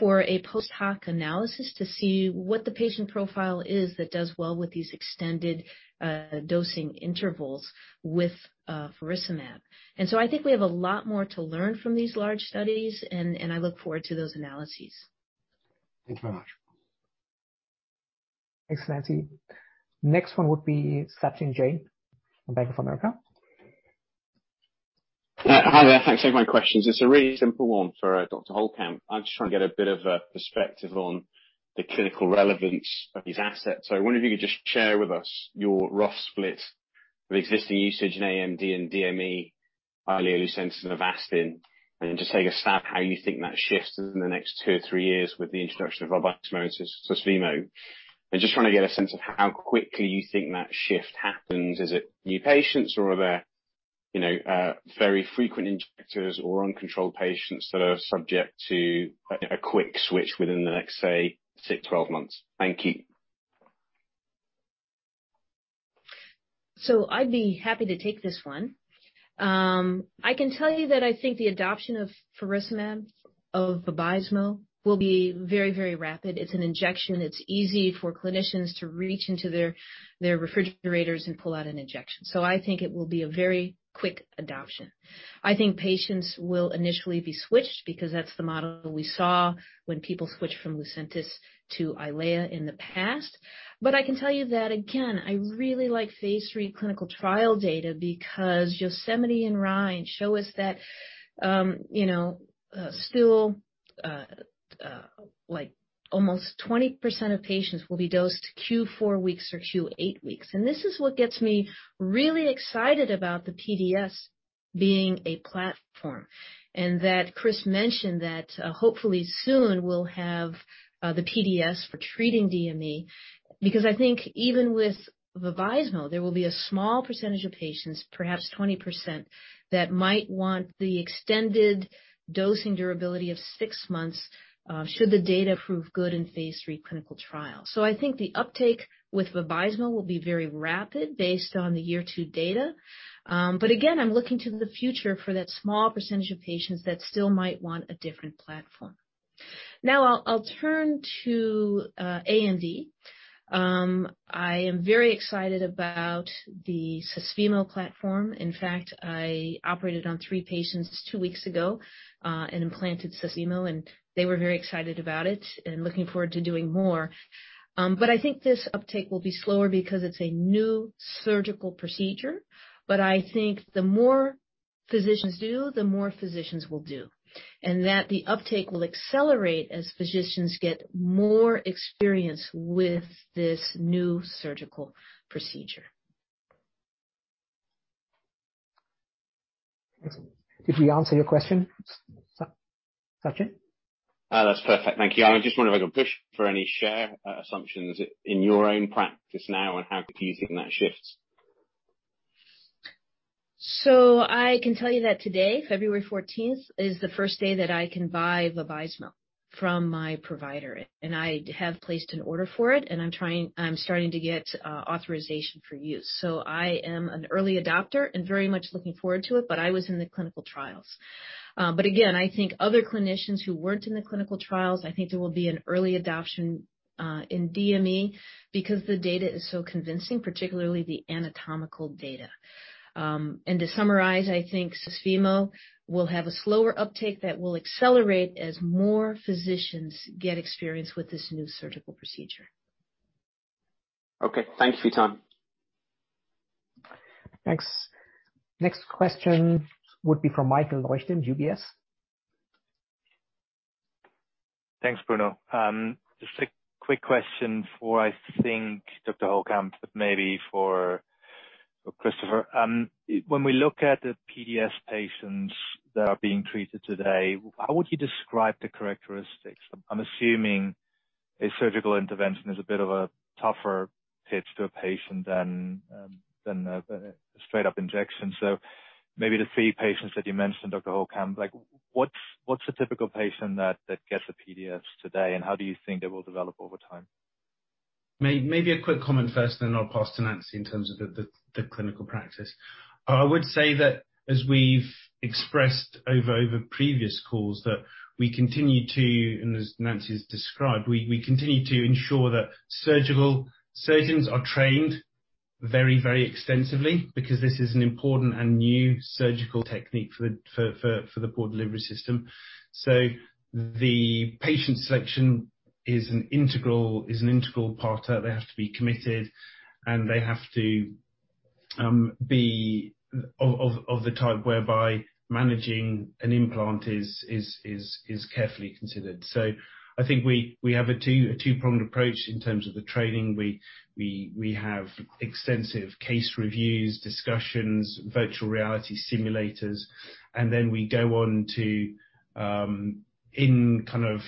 for a post hoc analysis to see what the patient profile is that does well with these extended dosing intervals with faricimab. I think we have a lot more to learn from these large studies, and I look forward to those analyses. Thank you very much. Thanks, Nancy. Next one would be Sachin Jain from Bank of America. Hi there. Thanks for taking my questions. It's a really simple one for Dr. Holekamp. I'm just trying to get a bit of a perspective on the clinical relevance of these assets. I wonder if you could just share with us your rough split of existing usage in AMD and DME, Lucentis, Susvimo, and Avastin, and just take a stab at how you think that shifts in the next two or three years with the introduction of Vabysmo, Susvimo. I just want to get a sense of how quickly you think that shift happens. Is it new patients or are there, you know, very frequent injectors or uncontrolled patients that are subject to a quick switch within the next, say, 6, 12 months? Thank you. I'd be happy to take this one. I can tell you that I think the adoption of faricimab, of Vabysmo will be very, very rapid. It's an injection. It's easy for clinicians to reach into their refrigerators and pull out an injection. I think it will be a very quick adoption. I think patients will initially be switched because that's the model we saw when people switched from Lucentis to Eylea in the past. I can tell you that, again, I really like phase III clinical trial data because YOSEMITE and RHINE show us that, you know, like, almost 20% of patients will be dosed Q4 weeks or Q8 weeks. This is what gets me really excited about the PDS being a platform. That Chris mentioned that hopefully soon we'll have the PDS for treating DME because I think even with Vabysmo, there will be a small percentage of patients, perhaps 20%, that might want the extended dosing durability of six months should the data prove good in phase III clinical trial. I think the uptake with Vabysmo will be very rapid based on the year two data. Again, I'm looking to the future for that small percentage of patients that still might want a different platform. Now, I'll turn to AMD. I am very excited about the Susvimo platform. In fact, I operated on three patients two weeks ago and implanted Susvimo, and they were very excited about it and looking forward to doing more. I think this uptake will be slower because it's a new surgical procedure. I think the more physicians do, the more physicians will do, and that the uptake will accelerate as physicians get more experience with this new surgical procedure. Did we answer your question, Sachin? That's perfect. Thank you. I just wonder if I can push for any share assumptions in your own practice now and how do you think that shifts? I can tell you that today, February 14, is the first day that I can buy Vabysmo from my provider, and I have placed an order for it, and I'm starting to get authorization for use. I am an early adopter and very much looking forward to it, but I was in the clinical trials. Again, I think other clinicians who weren't in the clinical trials, I think there will be an early adoption in DME because the data is so convincing, particularly the anatomical data. To summarize, I think Susvimo will have a slower uptake that will accelerate as more physicians get experience with this new surgical procedure. Okay. Thank you for your time. Thanks. Next question would be from Michael Leuchten, UBS. Thanks, Bruno. Just a quick question for, I think, Dr. Holekamp, but maybe for Christopher. When we look at the PDS patients that are being treated today, how would you describe the characteristics? I'm assuming a surgical intervention is a bit of a tougher pitch to a patient than a straight-up injection. Maybe the three patients that you mentioned, Dr. Holekamp, like what's a typical patient that gets a PDS today, and how do you think they will develop over time? Maybe a quick comment first, and then I'll pass to Nancy in terms of the clinical practice. I would say that as we've expressed over previous calls, that we continue to, and as Nancy's described, we continue to ensure that surgeons are trained very extensively because this is an important and new surgical technique for the Port Delivery System. The patient selection is an integral part. They have to be committed, and they have to be of the type whereby managing an implant is carefully considered. I think we have a two-pronged approach in terms of the training. We have extensive case reviews, discussions, virtual reality simulators, and then we go on to in kind of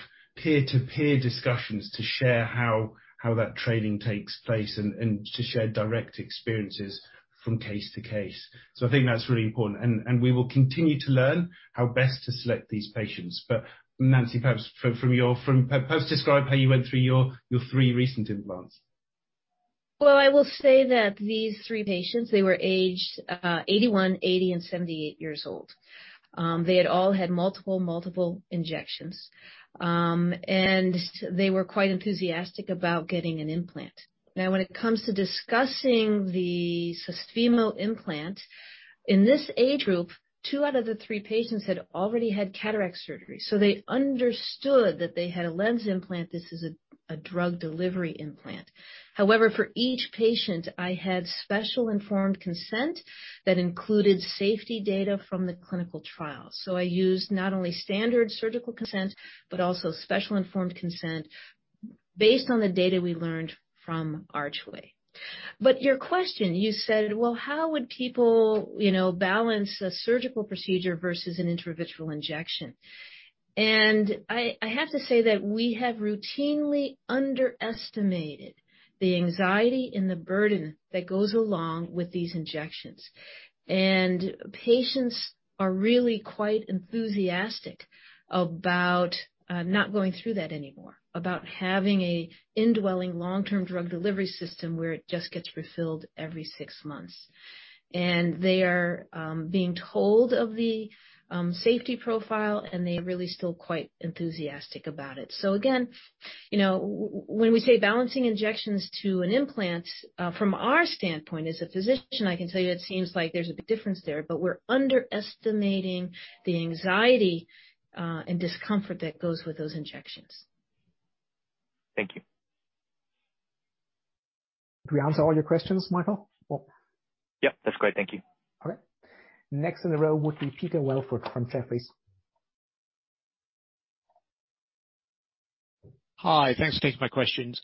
peer-to-peer discussions to share how that training takes place, and to share direct experiences from case to case. I think that's really important. We will continue to learn how best to select these patients. Nancy, perhaps describe how you went through your three recent implants. Well, I will say that these three patients, they were aged 81, 80, and 78 years old. They had all had multiple injections. They were quite enthusiastic about getting an implant. Now, when it comes to discussing the Susvimo implant, in this age group, two out of the three patients had already had cataract surgery, so they understood that they had a lens implant. This is a drug delivery implant. However, for each patient, I had special informed consent that included safety data from the clinical trial. I used not only standard surgical consent, but also special informed consent based on the data we learned from Archway. Your question, you said, "Well, how would people, you know, balance a surgical procedure versus an intravitreal injection?" I have to say that we have routinely underestimated the anxiety and the burden that goes along with these injections. Patients are really quite enthusiastic about not going through that anymore, about having an indwelling long-term drug delivery system where it just gets refilled every six months. They are being told of the safety profile, and they're really still quite enthusiastic about it. Again, you know, when we say balancing injections to an implant, from our standpoint as a physician, I can tell you it seems like there's a big difference there, but we're underestimating the anxiety and discomfort that goes with those injections. Thank you. Did we answer all your questions, Michael? Yep, that's great. Thank you. Okay. Next in the row would be Peter Welford from Jefferies. Hi. Thanks for taking my questions.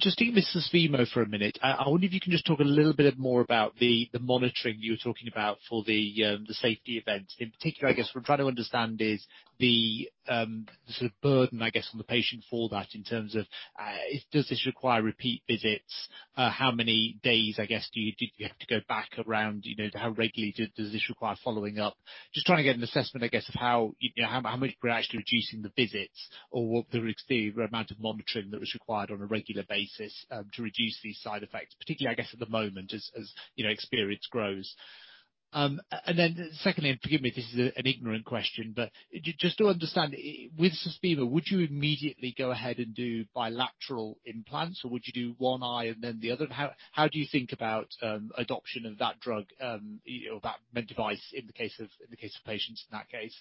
Just taking this Susvimo for a minute, I wonder if you can just talk a little bit more about the monitoring you were talking about for the safety events. In particular, I guess what I'm trying to understand is the sort of burden, I guess, on the patient for that in terms of, does this require repeat visits? How many days, I guess, do you have to go back around, you know? How regularly does this require following up? Just trying to get an assessment, I guess, of how, you know, how much we're actually reducing the visits or what the amount of monitoring that was required on a regular basis to reduce these side effects, particularly, I guess, at the moment as you know, experience grows. And then secondly, forgive me if this is an ignorant question, but just to understand, with Susvimo, would you immediately go ahead and do bilateral implants, or would you do one eye and then the other? How do you think about adoption of that drug or that med device in the case of patients in that case?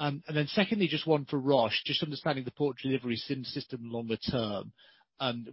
And then secondly, just one for Roche. Just understanding the Port Delivery System longer term,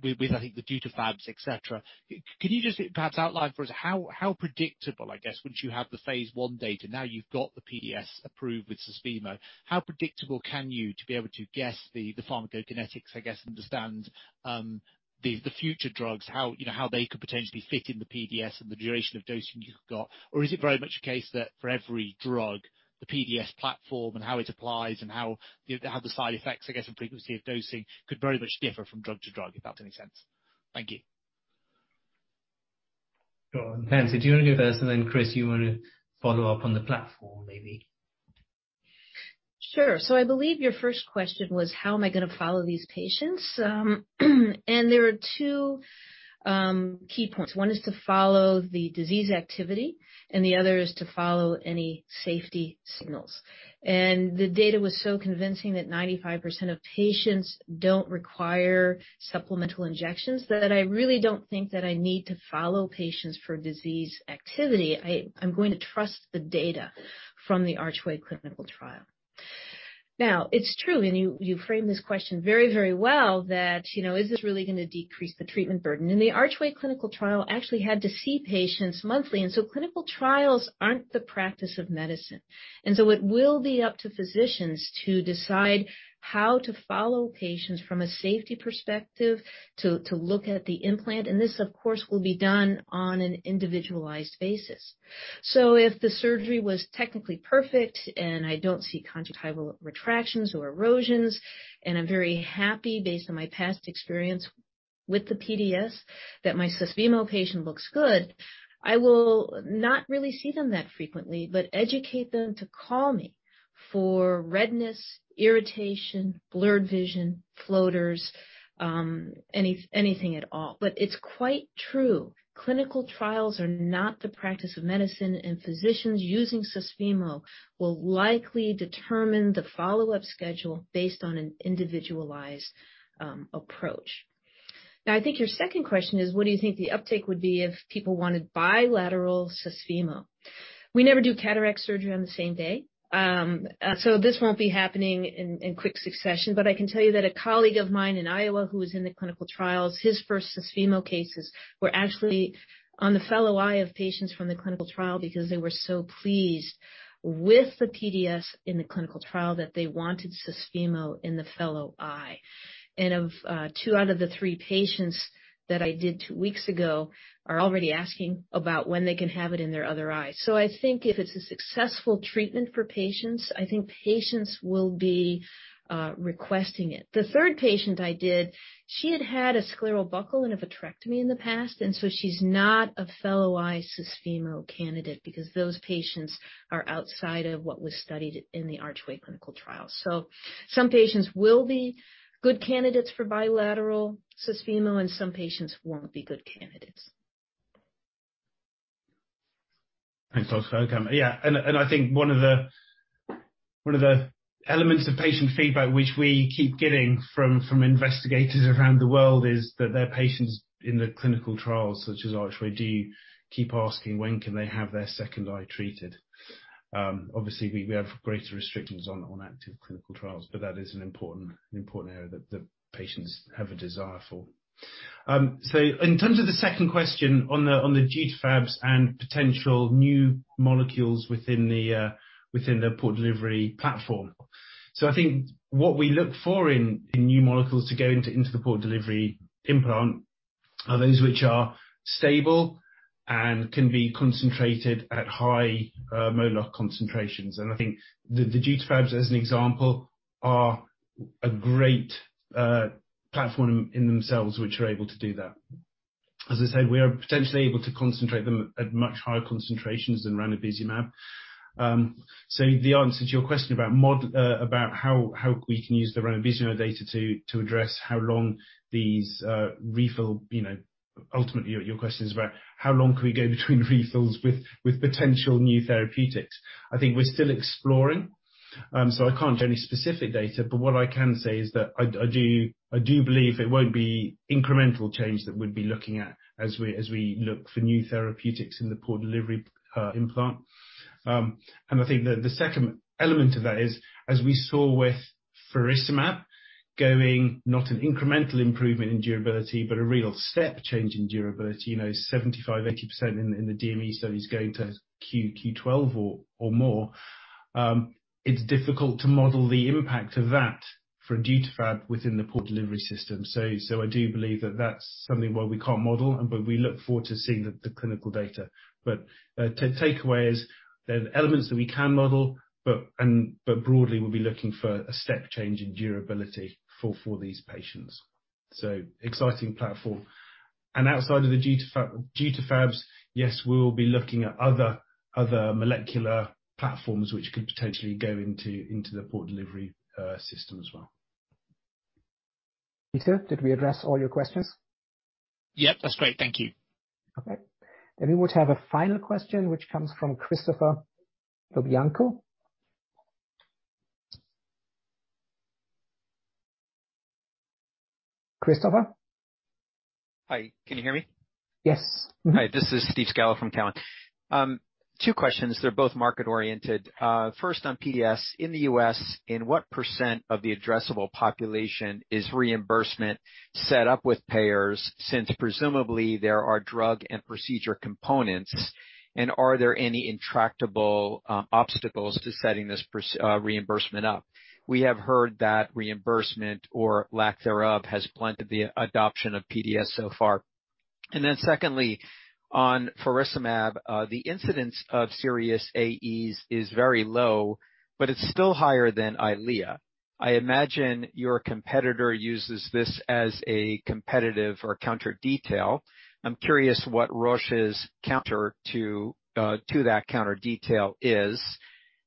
with I think the DutaFabs, et cetera. Can you just perhaps outline for us how predictable, I guess, once you have the phase I data, now you've got the PDS approved with Susvimo, how predictable can you be able to guess the pharmacokinetics, I guess, understand the future drugs, how, you know, how they could potentially fit in the PDS and the duration of dosing you've got? Or is it very much a case that for every drug, the PDS platform and how it applies and how the side effects, I guess, and frequency of dosing could very much differ from drug to drug, if that makes sense? Thank you. Sure. Pam, so do you wanna go first, and then, Chris, you wanna follow up on the platform maybe? Sure. I believe your first question was how am I gonna follow these patients? There are two key points. One is to follow the disease activity, and the other is to follow any safety signals. The data was so convincing that 95% of patients don't require supplemental injections that I really don't think that I need to follow patients for disease activity. I'm going to trust the data from the Archway clinical trial. Now, it's true, and you framed this question very, very well, that, you know, is this really gonna decrease the treatment burden? The Archway clinical trial actually had to see patients monthly, and so clinical trials aren't the practice of medicine. It will be up to physicians to decide how to follow patients from a safety perspective to look at the implant. This, of course, will be done on an individualized basis. If the surgery was technically perfect and I don't see conjunctival retractions or erosions, and I'm very happy based on my past experience with the PDS that my Susvimo patient looks good, I will not really see them that frequently, but educate them to call me for redness, irritation, blurred vision, floaters, anything at all. But it's quite true. Clinical trials are not the practice of medicine, and physicians using Susvimo will likely determine the follow-up schedule based on an individualized approach. Now, I think your second question is, what do you think the uptake would be if people wanted bilateral Susvimo? We never do cataract surgery on the same day, so this won't be happening in quick succession. I can tell you that a colleague of mine in Iowa who was in the clinical trials, his first Susvimo cases were actually on the fellow eye of patients from the clinical trial because they were so pleased with the PDS in the clinical trial that they wanted Susvimo in the fellow eye. Of two out of the three patients that I did two weeks ago are already asking about when they can have it in their other eye. I think if it's a successful treatment for patients, I think patients will be requesting it. The third patient I did, she had had a scleral buckle and evisceration in the past, and so she's not a fellow eye Susvimo candidate because those patients are outside of what was studied in the Archway clinical trial. Some patients will be good candidates for bilateral Susvimo, and some patients won't be good candidates. Thanks, doctor. I think one of the elements of patient feedback which we keep getting from investigators around the world is that their patients in the clinical trials, such as Archway, do keep asking when can they have their second eye treated. Obviously, we have greater restrictions on active clinical trials, but that is an important area that patients have a desire for. In terms of the second question on the DutaFabs and potential new molecules within the Port Delivery System. I think what we look for in new molecules to go into the Port Delivery implant are those which are stable and can be concentrated at high molar concentrations. I think the DutaFabs, as an example, are a great platform in themselves which are able to do that. As I said, we are potentially able to concentrate them at much higher concentrations than ranibizumab. So the answer to your question about how we can use the ranibizumab data to address how long these refills, you know, ultimately, your question is about how long can we go between refills with potential new therapeutics. I think we're still exploring. So I can't show any specific data, but what I can say is that I do believe it won't be incremental change that we'd be looking at as we look for new therapeutics in the Port Delivery implant. I think the second element of that is, as we saw with faricimab going not an incremental improvement in durability, but a real step change in durability, you know, 75%-80% in the DME studies going to Q12 or more. It's difficult to model the impact of that for DutaFab within the Port Delivery System. So I do believe that that's something where we can't model, but we look forward to seeing the clinical data. But to take away is there are elements that we can model, but broadly, we'll be looking for a step change in durability for these patients. So exciting platform. Outside of the DutaFabs, yes, we will be looking at other molecular platforms which could potentially go into the Port Delivery System as well. Peter, did we address all your questions? Yep. That's great. Thank you. Okay. We would have a final question, which comes from Christopher LoBianco. Christopher? Hi. Can you hear me? Yes. Hi, this is Steve Scala from Cowen. Two questions. They're both market-oriented. First on PDS in the U.S., in what % of the addressable population is reimbursement set up with payers, since presumably there are drug and procedure components? And are there any intractable obstacles to setting this reimbursement up? We have heard that reimbursement or lack thereof has blunted the adoption of PDS so far. And then secondly, on faricimab, the incidence of serious AEs is very low, but it's still higher than Eylea. I imagine your competitor uses this as a competitive or counter detail. I'm curious what Roche's counter to that counter detail is,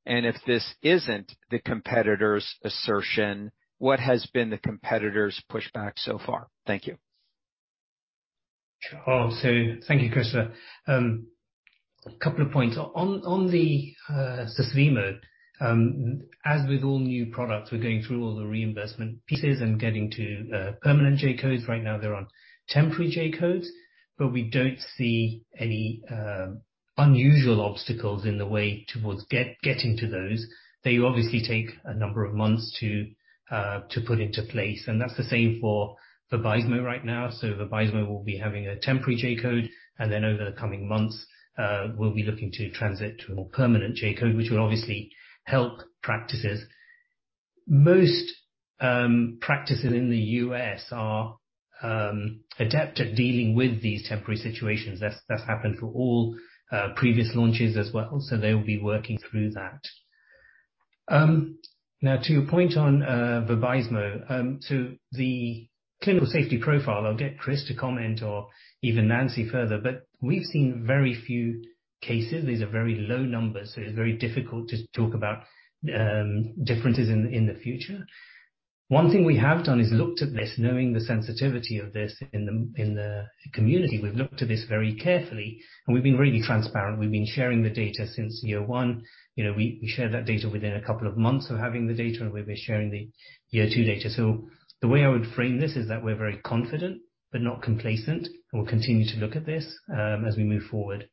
and if this isn't the competitor's assertion, what has been the competitor's pushback so far? Thank you. Thank you, Christopher. A couple of points. On the Susvimo, as with all new products, we're going through all the reimbursement pieces and getting to permanent J-codes. Right now they're on temporary J-codes, but we don't see any unusual obstacles in the way towards getting to those. They obviously take a number of months to put into place, and that's the same for Vabysmo right now. Vabysmo will be having a temporary J-code, and then over the coming months, we'll be looking to transition to a more permanent J-code, which will obviously help practices. Most practices in the U.S. are adept at dealing with these temporary situations. That's happened for all previous launches as well, so they will be working through that. Now, to your point on Vabysmo, to the clinical safety profile, I'll get Chris to comment or even Nancy further, but we've seen very few cases. These are very low numbers, so it's very difficult to talk about differences in the future. One thing we have done is looked at this, knowing the sensitivity of this in the community. We've looked at this very carefully, and we've been really transparent. We've been sharing the data since year one. You know, we share that data within a couple of months of having the data, and we'll be sharing the year two data. The way I would frame this is that we're very confident but not complacent, and we'll continue to look at this as we move forward.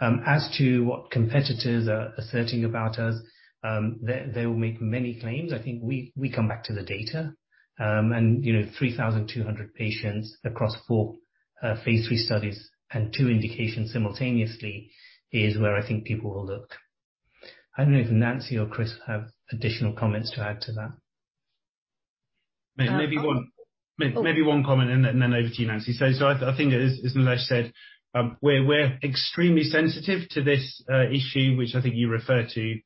As to what competitors are asserting about us, they will make many claims. I think we come back to the data. You know, 3,200 patients across four phase III studies and two indications simultaneously is where I think people will look. I don't know if Nancy or Chris have additional comments to add to that. May-maybe one- Oh. Maybe one comment and then over to you, Nancy. I think as Nilesh said, we're extremely sensitive to this issue which I think you refer to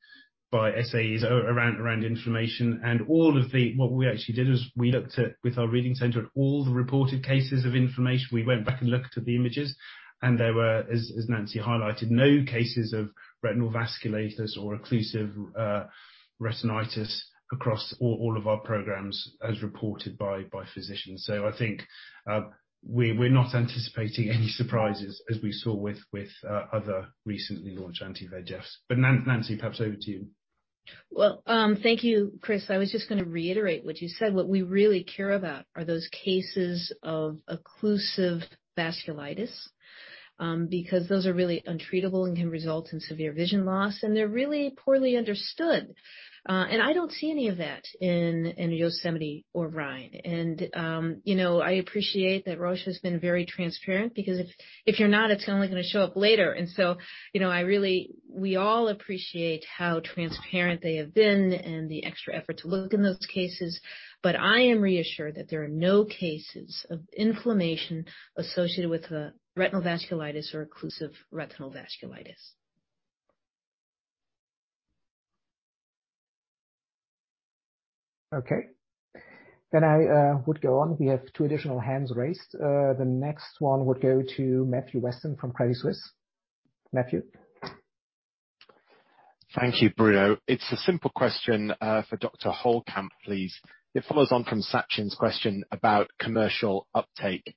by SAEs around inflammation. What we actually did is we looked at, with our reading center, at all the reported cases of inflammation. We went back and looked at the images, and there were, as Nancy highlighted, no cases of retinal vasculitis or occlusive retinitis across all of our programs as reported by physicians. I think we're not anticipating any surprises as we saw with other recently launched anti-VEGFs. Nancy, perhaps over to you. Well, thank you, Chris. I was just gonna reiterate what you said. What we really care about are those cases of occlusive vasculitis because those are really untreatable and can result in severe vision loss, and they're really poorly understood. I don't see any of that in YOSEMITE or RHINE. You know, I appreciate that Roche has been very transparent because if you're not, it's only gonna show up later. You know, we all appreciate how transparent they have been and the extra effort to look in those cases. I am reassured that there are no cases of inflammation associated with retinal vasculitis or occlusive retinal vasculitis. Okay. I would go on. We have two additional hands raised. The next one would go to Matthew Weston from Credit Suisse. Matthew? Thank you, Bruno. It's a simple question for Dr. Holekamp, please. It follows on from Sachin's question about commercial uptake.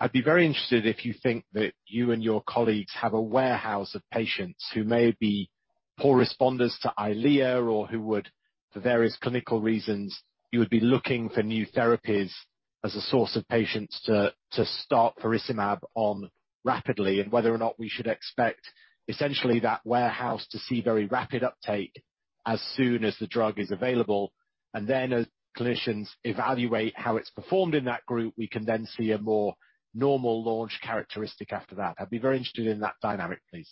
I'd be very interested if you think that you and your colleagues have a warehouse of patients who may be poor responders to Eylea or who would, for various clinical reasons, you would be looking for new therapies as a source of patients to start faricimab on rapidly and whether or not we should expect essentially that warehouse to see very rapid uptake as soon as the drug is available. As clinicians evaluate how it's performed in that group, we can then see a more normal launch characteristic after that. I'd be very interested in that dynamic, please.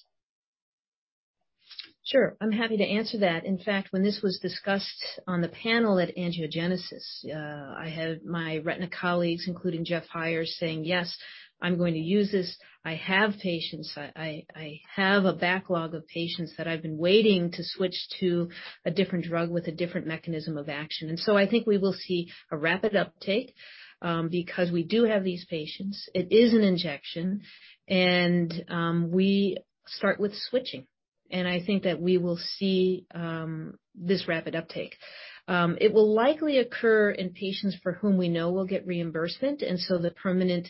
Sure. I'm happy to answer that. In fact, when this was discussed on the panel at Angiogenesis, I had my retina colleagues, including Jeff Heier, saying, "Yes, I'm going to use this. I have patients. I have a backlog of patients that I've been waiting to switch to a different drug with a different mechanism of action." I think we will see a rapid uptake, because we do have these patients. It is an injection and we start with switching. I think that we will see this rapid uptake. It will likely occur in patients for whom we know will get reimbursement, and the permanent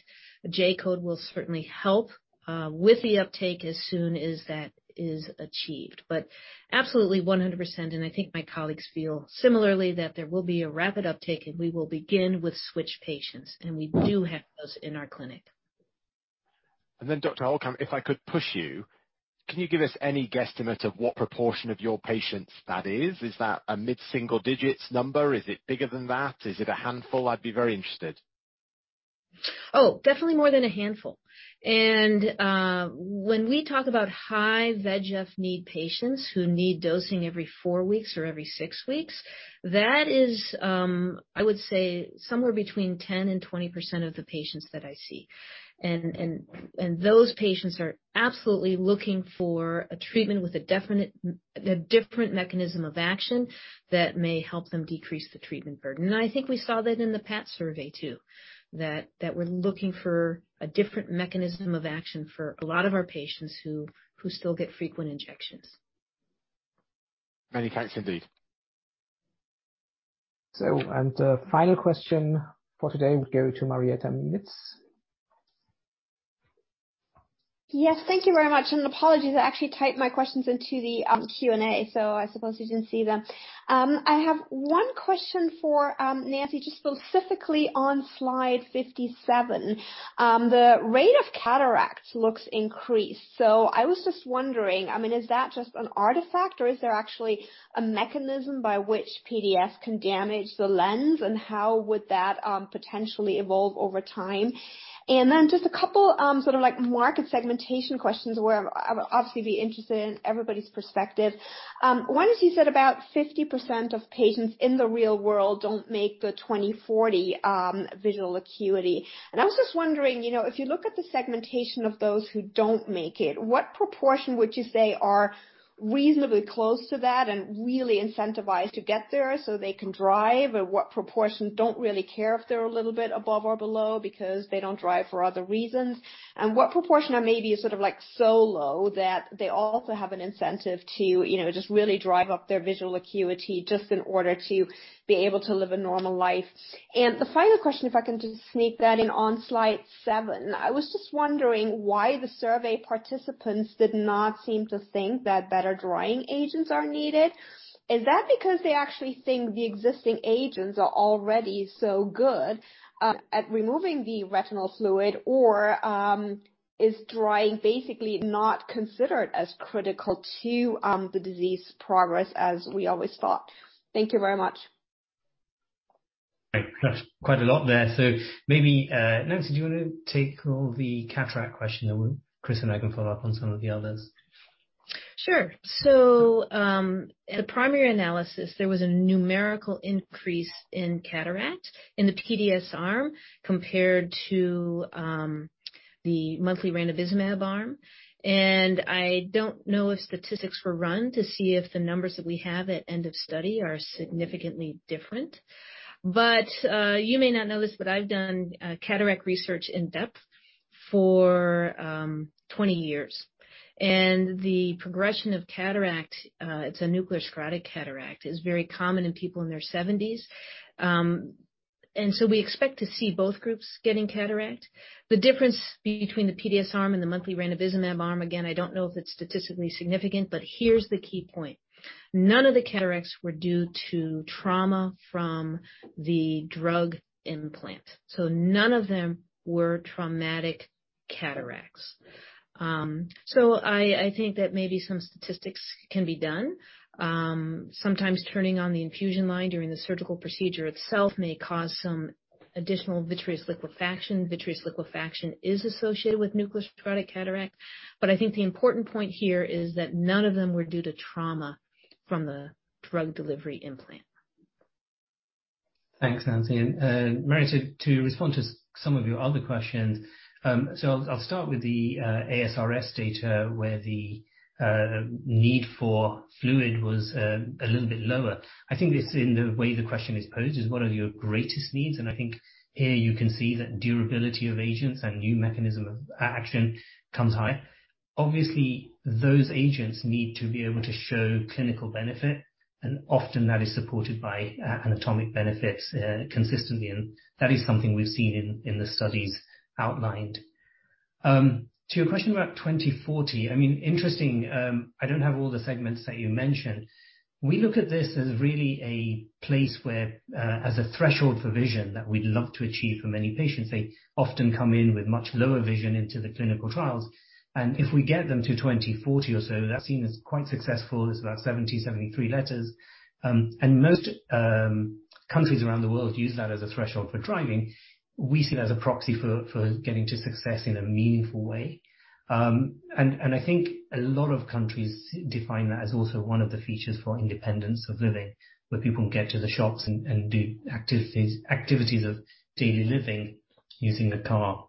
J-code will certainly help with the uptake as soon as that is achieved. Absolutely 100%, and I think my colleagues feel similarly that there will be a rapid uptake, and we will begin with switch patients, and we do have those in our clinic. Dr. Holekamp, if I could push you. Can you give us any guesstimate of what proportion of your patients that is? Is that a mid-single digits number? Is it bigger than that? Is it a handful? I'd be very interested. Oh, definitely more than a handful. When we talk about high VEGF need patients who need dosing every four weeks or every six weeks, that is, I would say somewhere between 10%-20% of the patients that I see. Those patients are absolutely looking for a treatment with a different mechanism of action that may help them decrease the treatment burden. I think we saw that in the PAT survey too, that we're looking for a different mechanism of action for a lot of our patients who still get frequent injections. Many thanks, indeed. The final question for today will go to Marietta Minets. Yes. Thank you very much. Apologies. I actually typed my questions into the Q&A, so I suppose you didn't see them. I have one question for Nancy, just specifically on slide 57. The rate of cataracts looks increased. I was just wondering, I mean, is that just an artifact or is there actually a mechanism by which PDS can damage the lens, and how would that potentially evolve over time? Then just a couple sort of like market segmentation questions where I would obviously be interested in everybody's perspective. One is you said about 50% of patients in the real world don't make the 20/40 visual acuity. I was just wondering, you know, if you look at the segmentation of those who don't make it, what proportion would you say are reasonably close to that and really incentivized to get there so they can drive? Or what proportion don't really care if they're a little bit above or below because they don't drive for other reasons? And what proportion are maybe sort of like so low that they also have an incentive to, you know, just really drive up their visual acuity just in order to be able to live a normal life? And the final question, if I can just sneak that in on Slide seven, I was just wondering why the survey participants did not seem to think that better drying agents are needed. Is that because they actually think the existing agents are already so good at removing the retinal fluid, or is drying basically not considered as critical to the disease progress as we always thought? Thank you very much. Right. That's quite a lot there. Maybe, Nancy, do you wanna take all the cataract question, and then Chris and I can follow up on some of the others? Sure. The primary analysis, there was a numerical increase in cataract in the PDS arm compared to the monthly ranibizumab arm. I don't know if statistics were run to see if the numbers that we have at end of study are significantly different. You may not know this, but I've done cataract research in-depth for 20 years. The progression of cataract, it's a nuclear sclerotic cataract, is very common in people in their 70s. We expect to see both groups getting cataract. The difference between the PDS arm and the monthly ranibizumab arm, again, I don't know if it's statistically significant, but here's the key point. None of the cataracts were due to trauma from the drug implant, so none of them were traumatic cataracts. I think that maybe some statistics can be done. Sometimes turning on the infusion line during the surgical procedure itself may cause some additional vitreous liquefaction. Vitreous liquefaction is associated with nuclear sclerotic cataract. I think the important point here is that none of them were due to trauma from the drug delivery implant. Thanks, Nancy. Marietta, to respond to some of your other questions. I'll start with the ASRS data where the need for fluid was a little bit lower. I think this, in the way the question is posed, is what are your greatest needs? I think here you can see that durability of agents and new mechanism of action comes high. Obviously, those agents need to be able to show clinical benefit, and often that is supported by anatomic benefits consistently, and that is something we've seen in the studies outlined. To your question about 2040, I mean, interesting. I don't have all the segments that you mentioned. We look at this as really a place where as a threshold for vision that we'd love to achieve for many patients. They often come in with much lower vision into the clinical trials, and if we get them to 20/40 or so, that's seen as quite successful. It's about 70-73 letters. Most countries around the world use that as a threshold for driving. We see it as a proxy for getting to success in a meaningful way. I think a lot of countries define that as also one of the features for independence of living, where people can get to the shops and do activities of daily living using the car.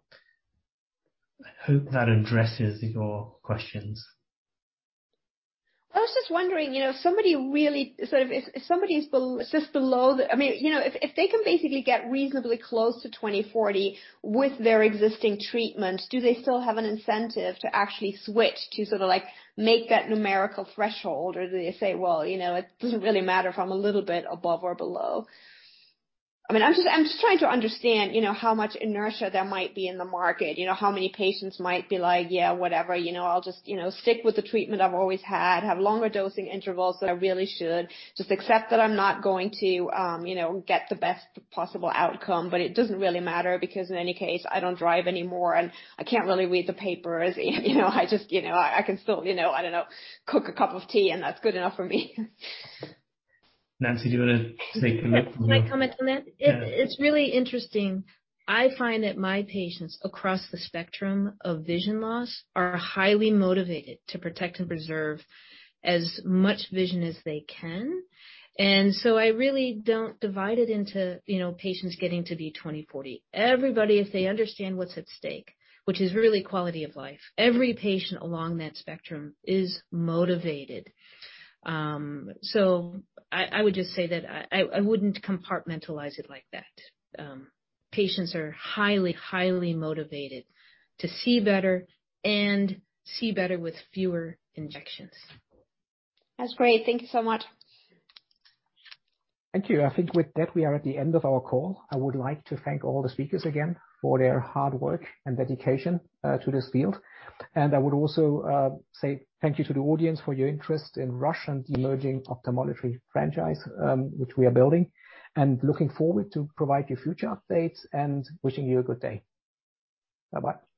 I hope that addresses your questions. I was just wondering, you know, sort of if somebody sits below the... I mean, you know, if they can basically get reasonably close to 20/40 with their existing treatment, do they still have an incentive to actually switch to sort of like make that numerical threshold? Or do they say, "Well, you know, it doesn't really matter if I'm a little bit above or below." I mean, I'm just trying to understand, you know, how much inertia there might be in the market. You know, how many patients might be like, "Yeah, whatever, you know, I'll just, you know, stick with the treatment I've always had. Have longer dosing intervals than I really should. Just accept that I'm not going to, you know, get the best possible outcome, but it doesn't really matter because in any case, I don't drive anymore, and I can't really read the papers. You know I just, you know, I can still, you know, I don't know, cook a cup of tea, and that's good enough for me. Nancy, do you wanna make a comment on that? Can I comment on that? Yeah. It's really interesting. I find that my patients across the spectrum of vision loss are highly motivated to protect and preserve as much vision as they can. I really don't divide it into, you know, patients getting to be 20/40. Everybody, if they understand what's at stake, which is really quality of life, every patient along that spectrum is motivated. I would just say that I wouldn't compartmentalize it like that. Patients are highly motivated to see better and see better with fewer injections. That's great. Thank you so much. Thank you. I think with that, we are at the end of our call. I would like to thank all the speakers again for their hard work and dedication to this field. I would also say thank you to the audience for your interest in Roche and emerging ophthalmology franchise, which we are building, and looking forward to provide you future updates and wishing you a good day. Bye-bye.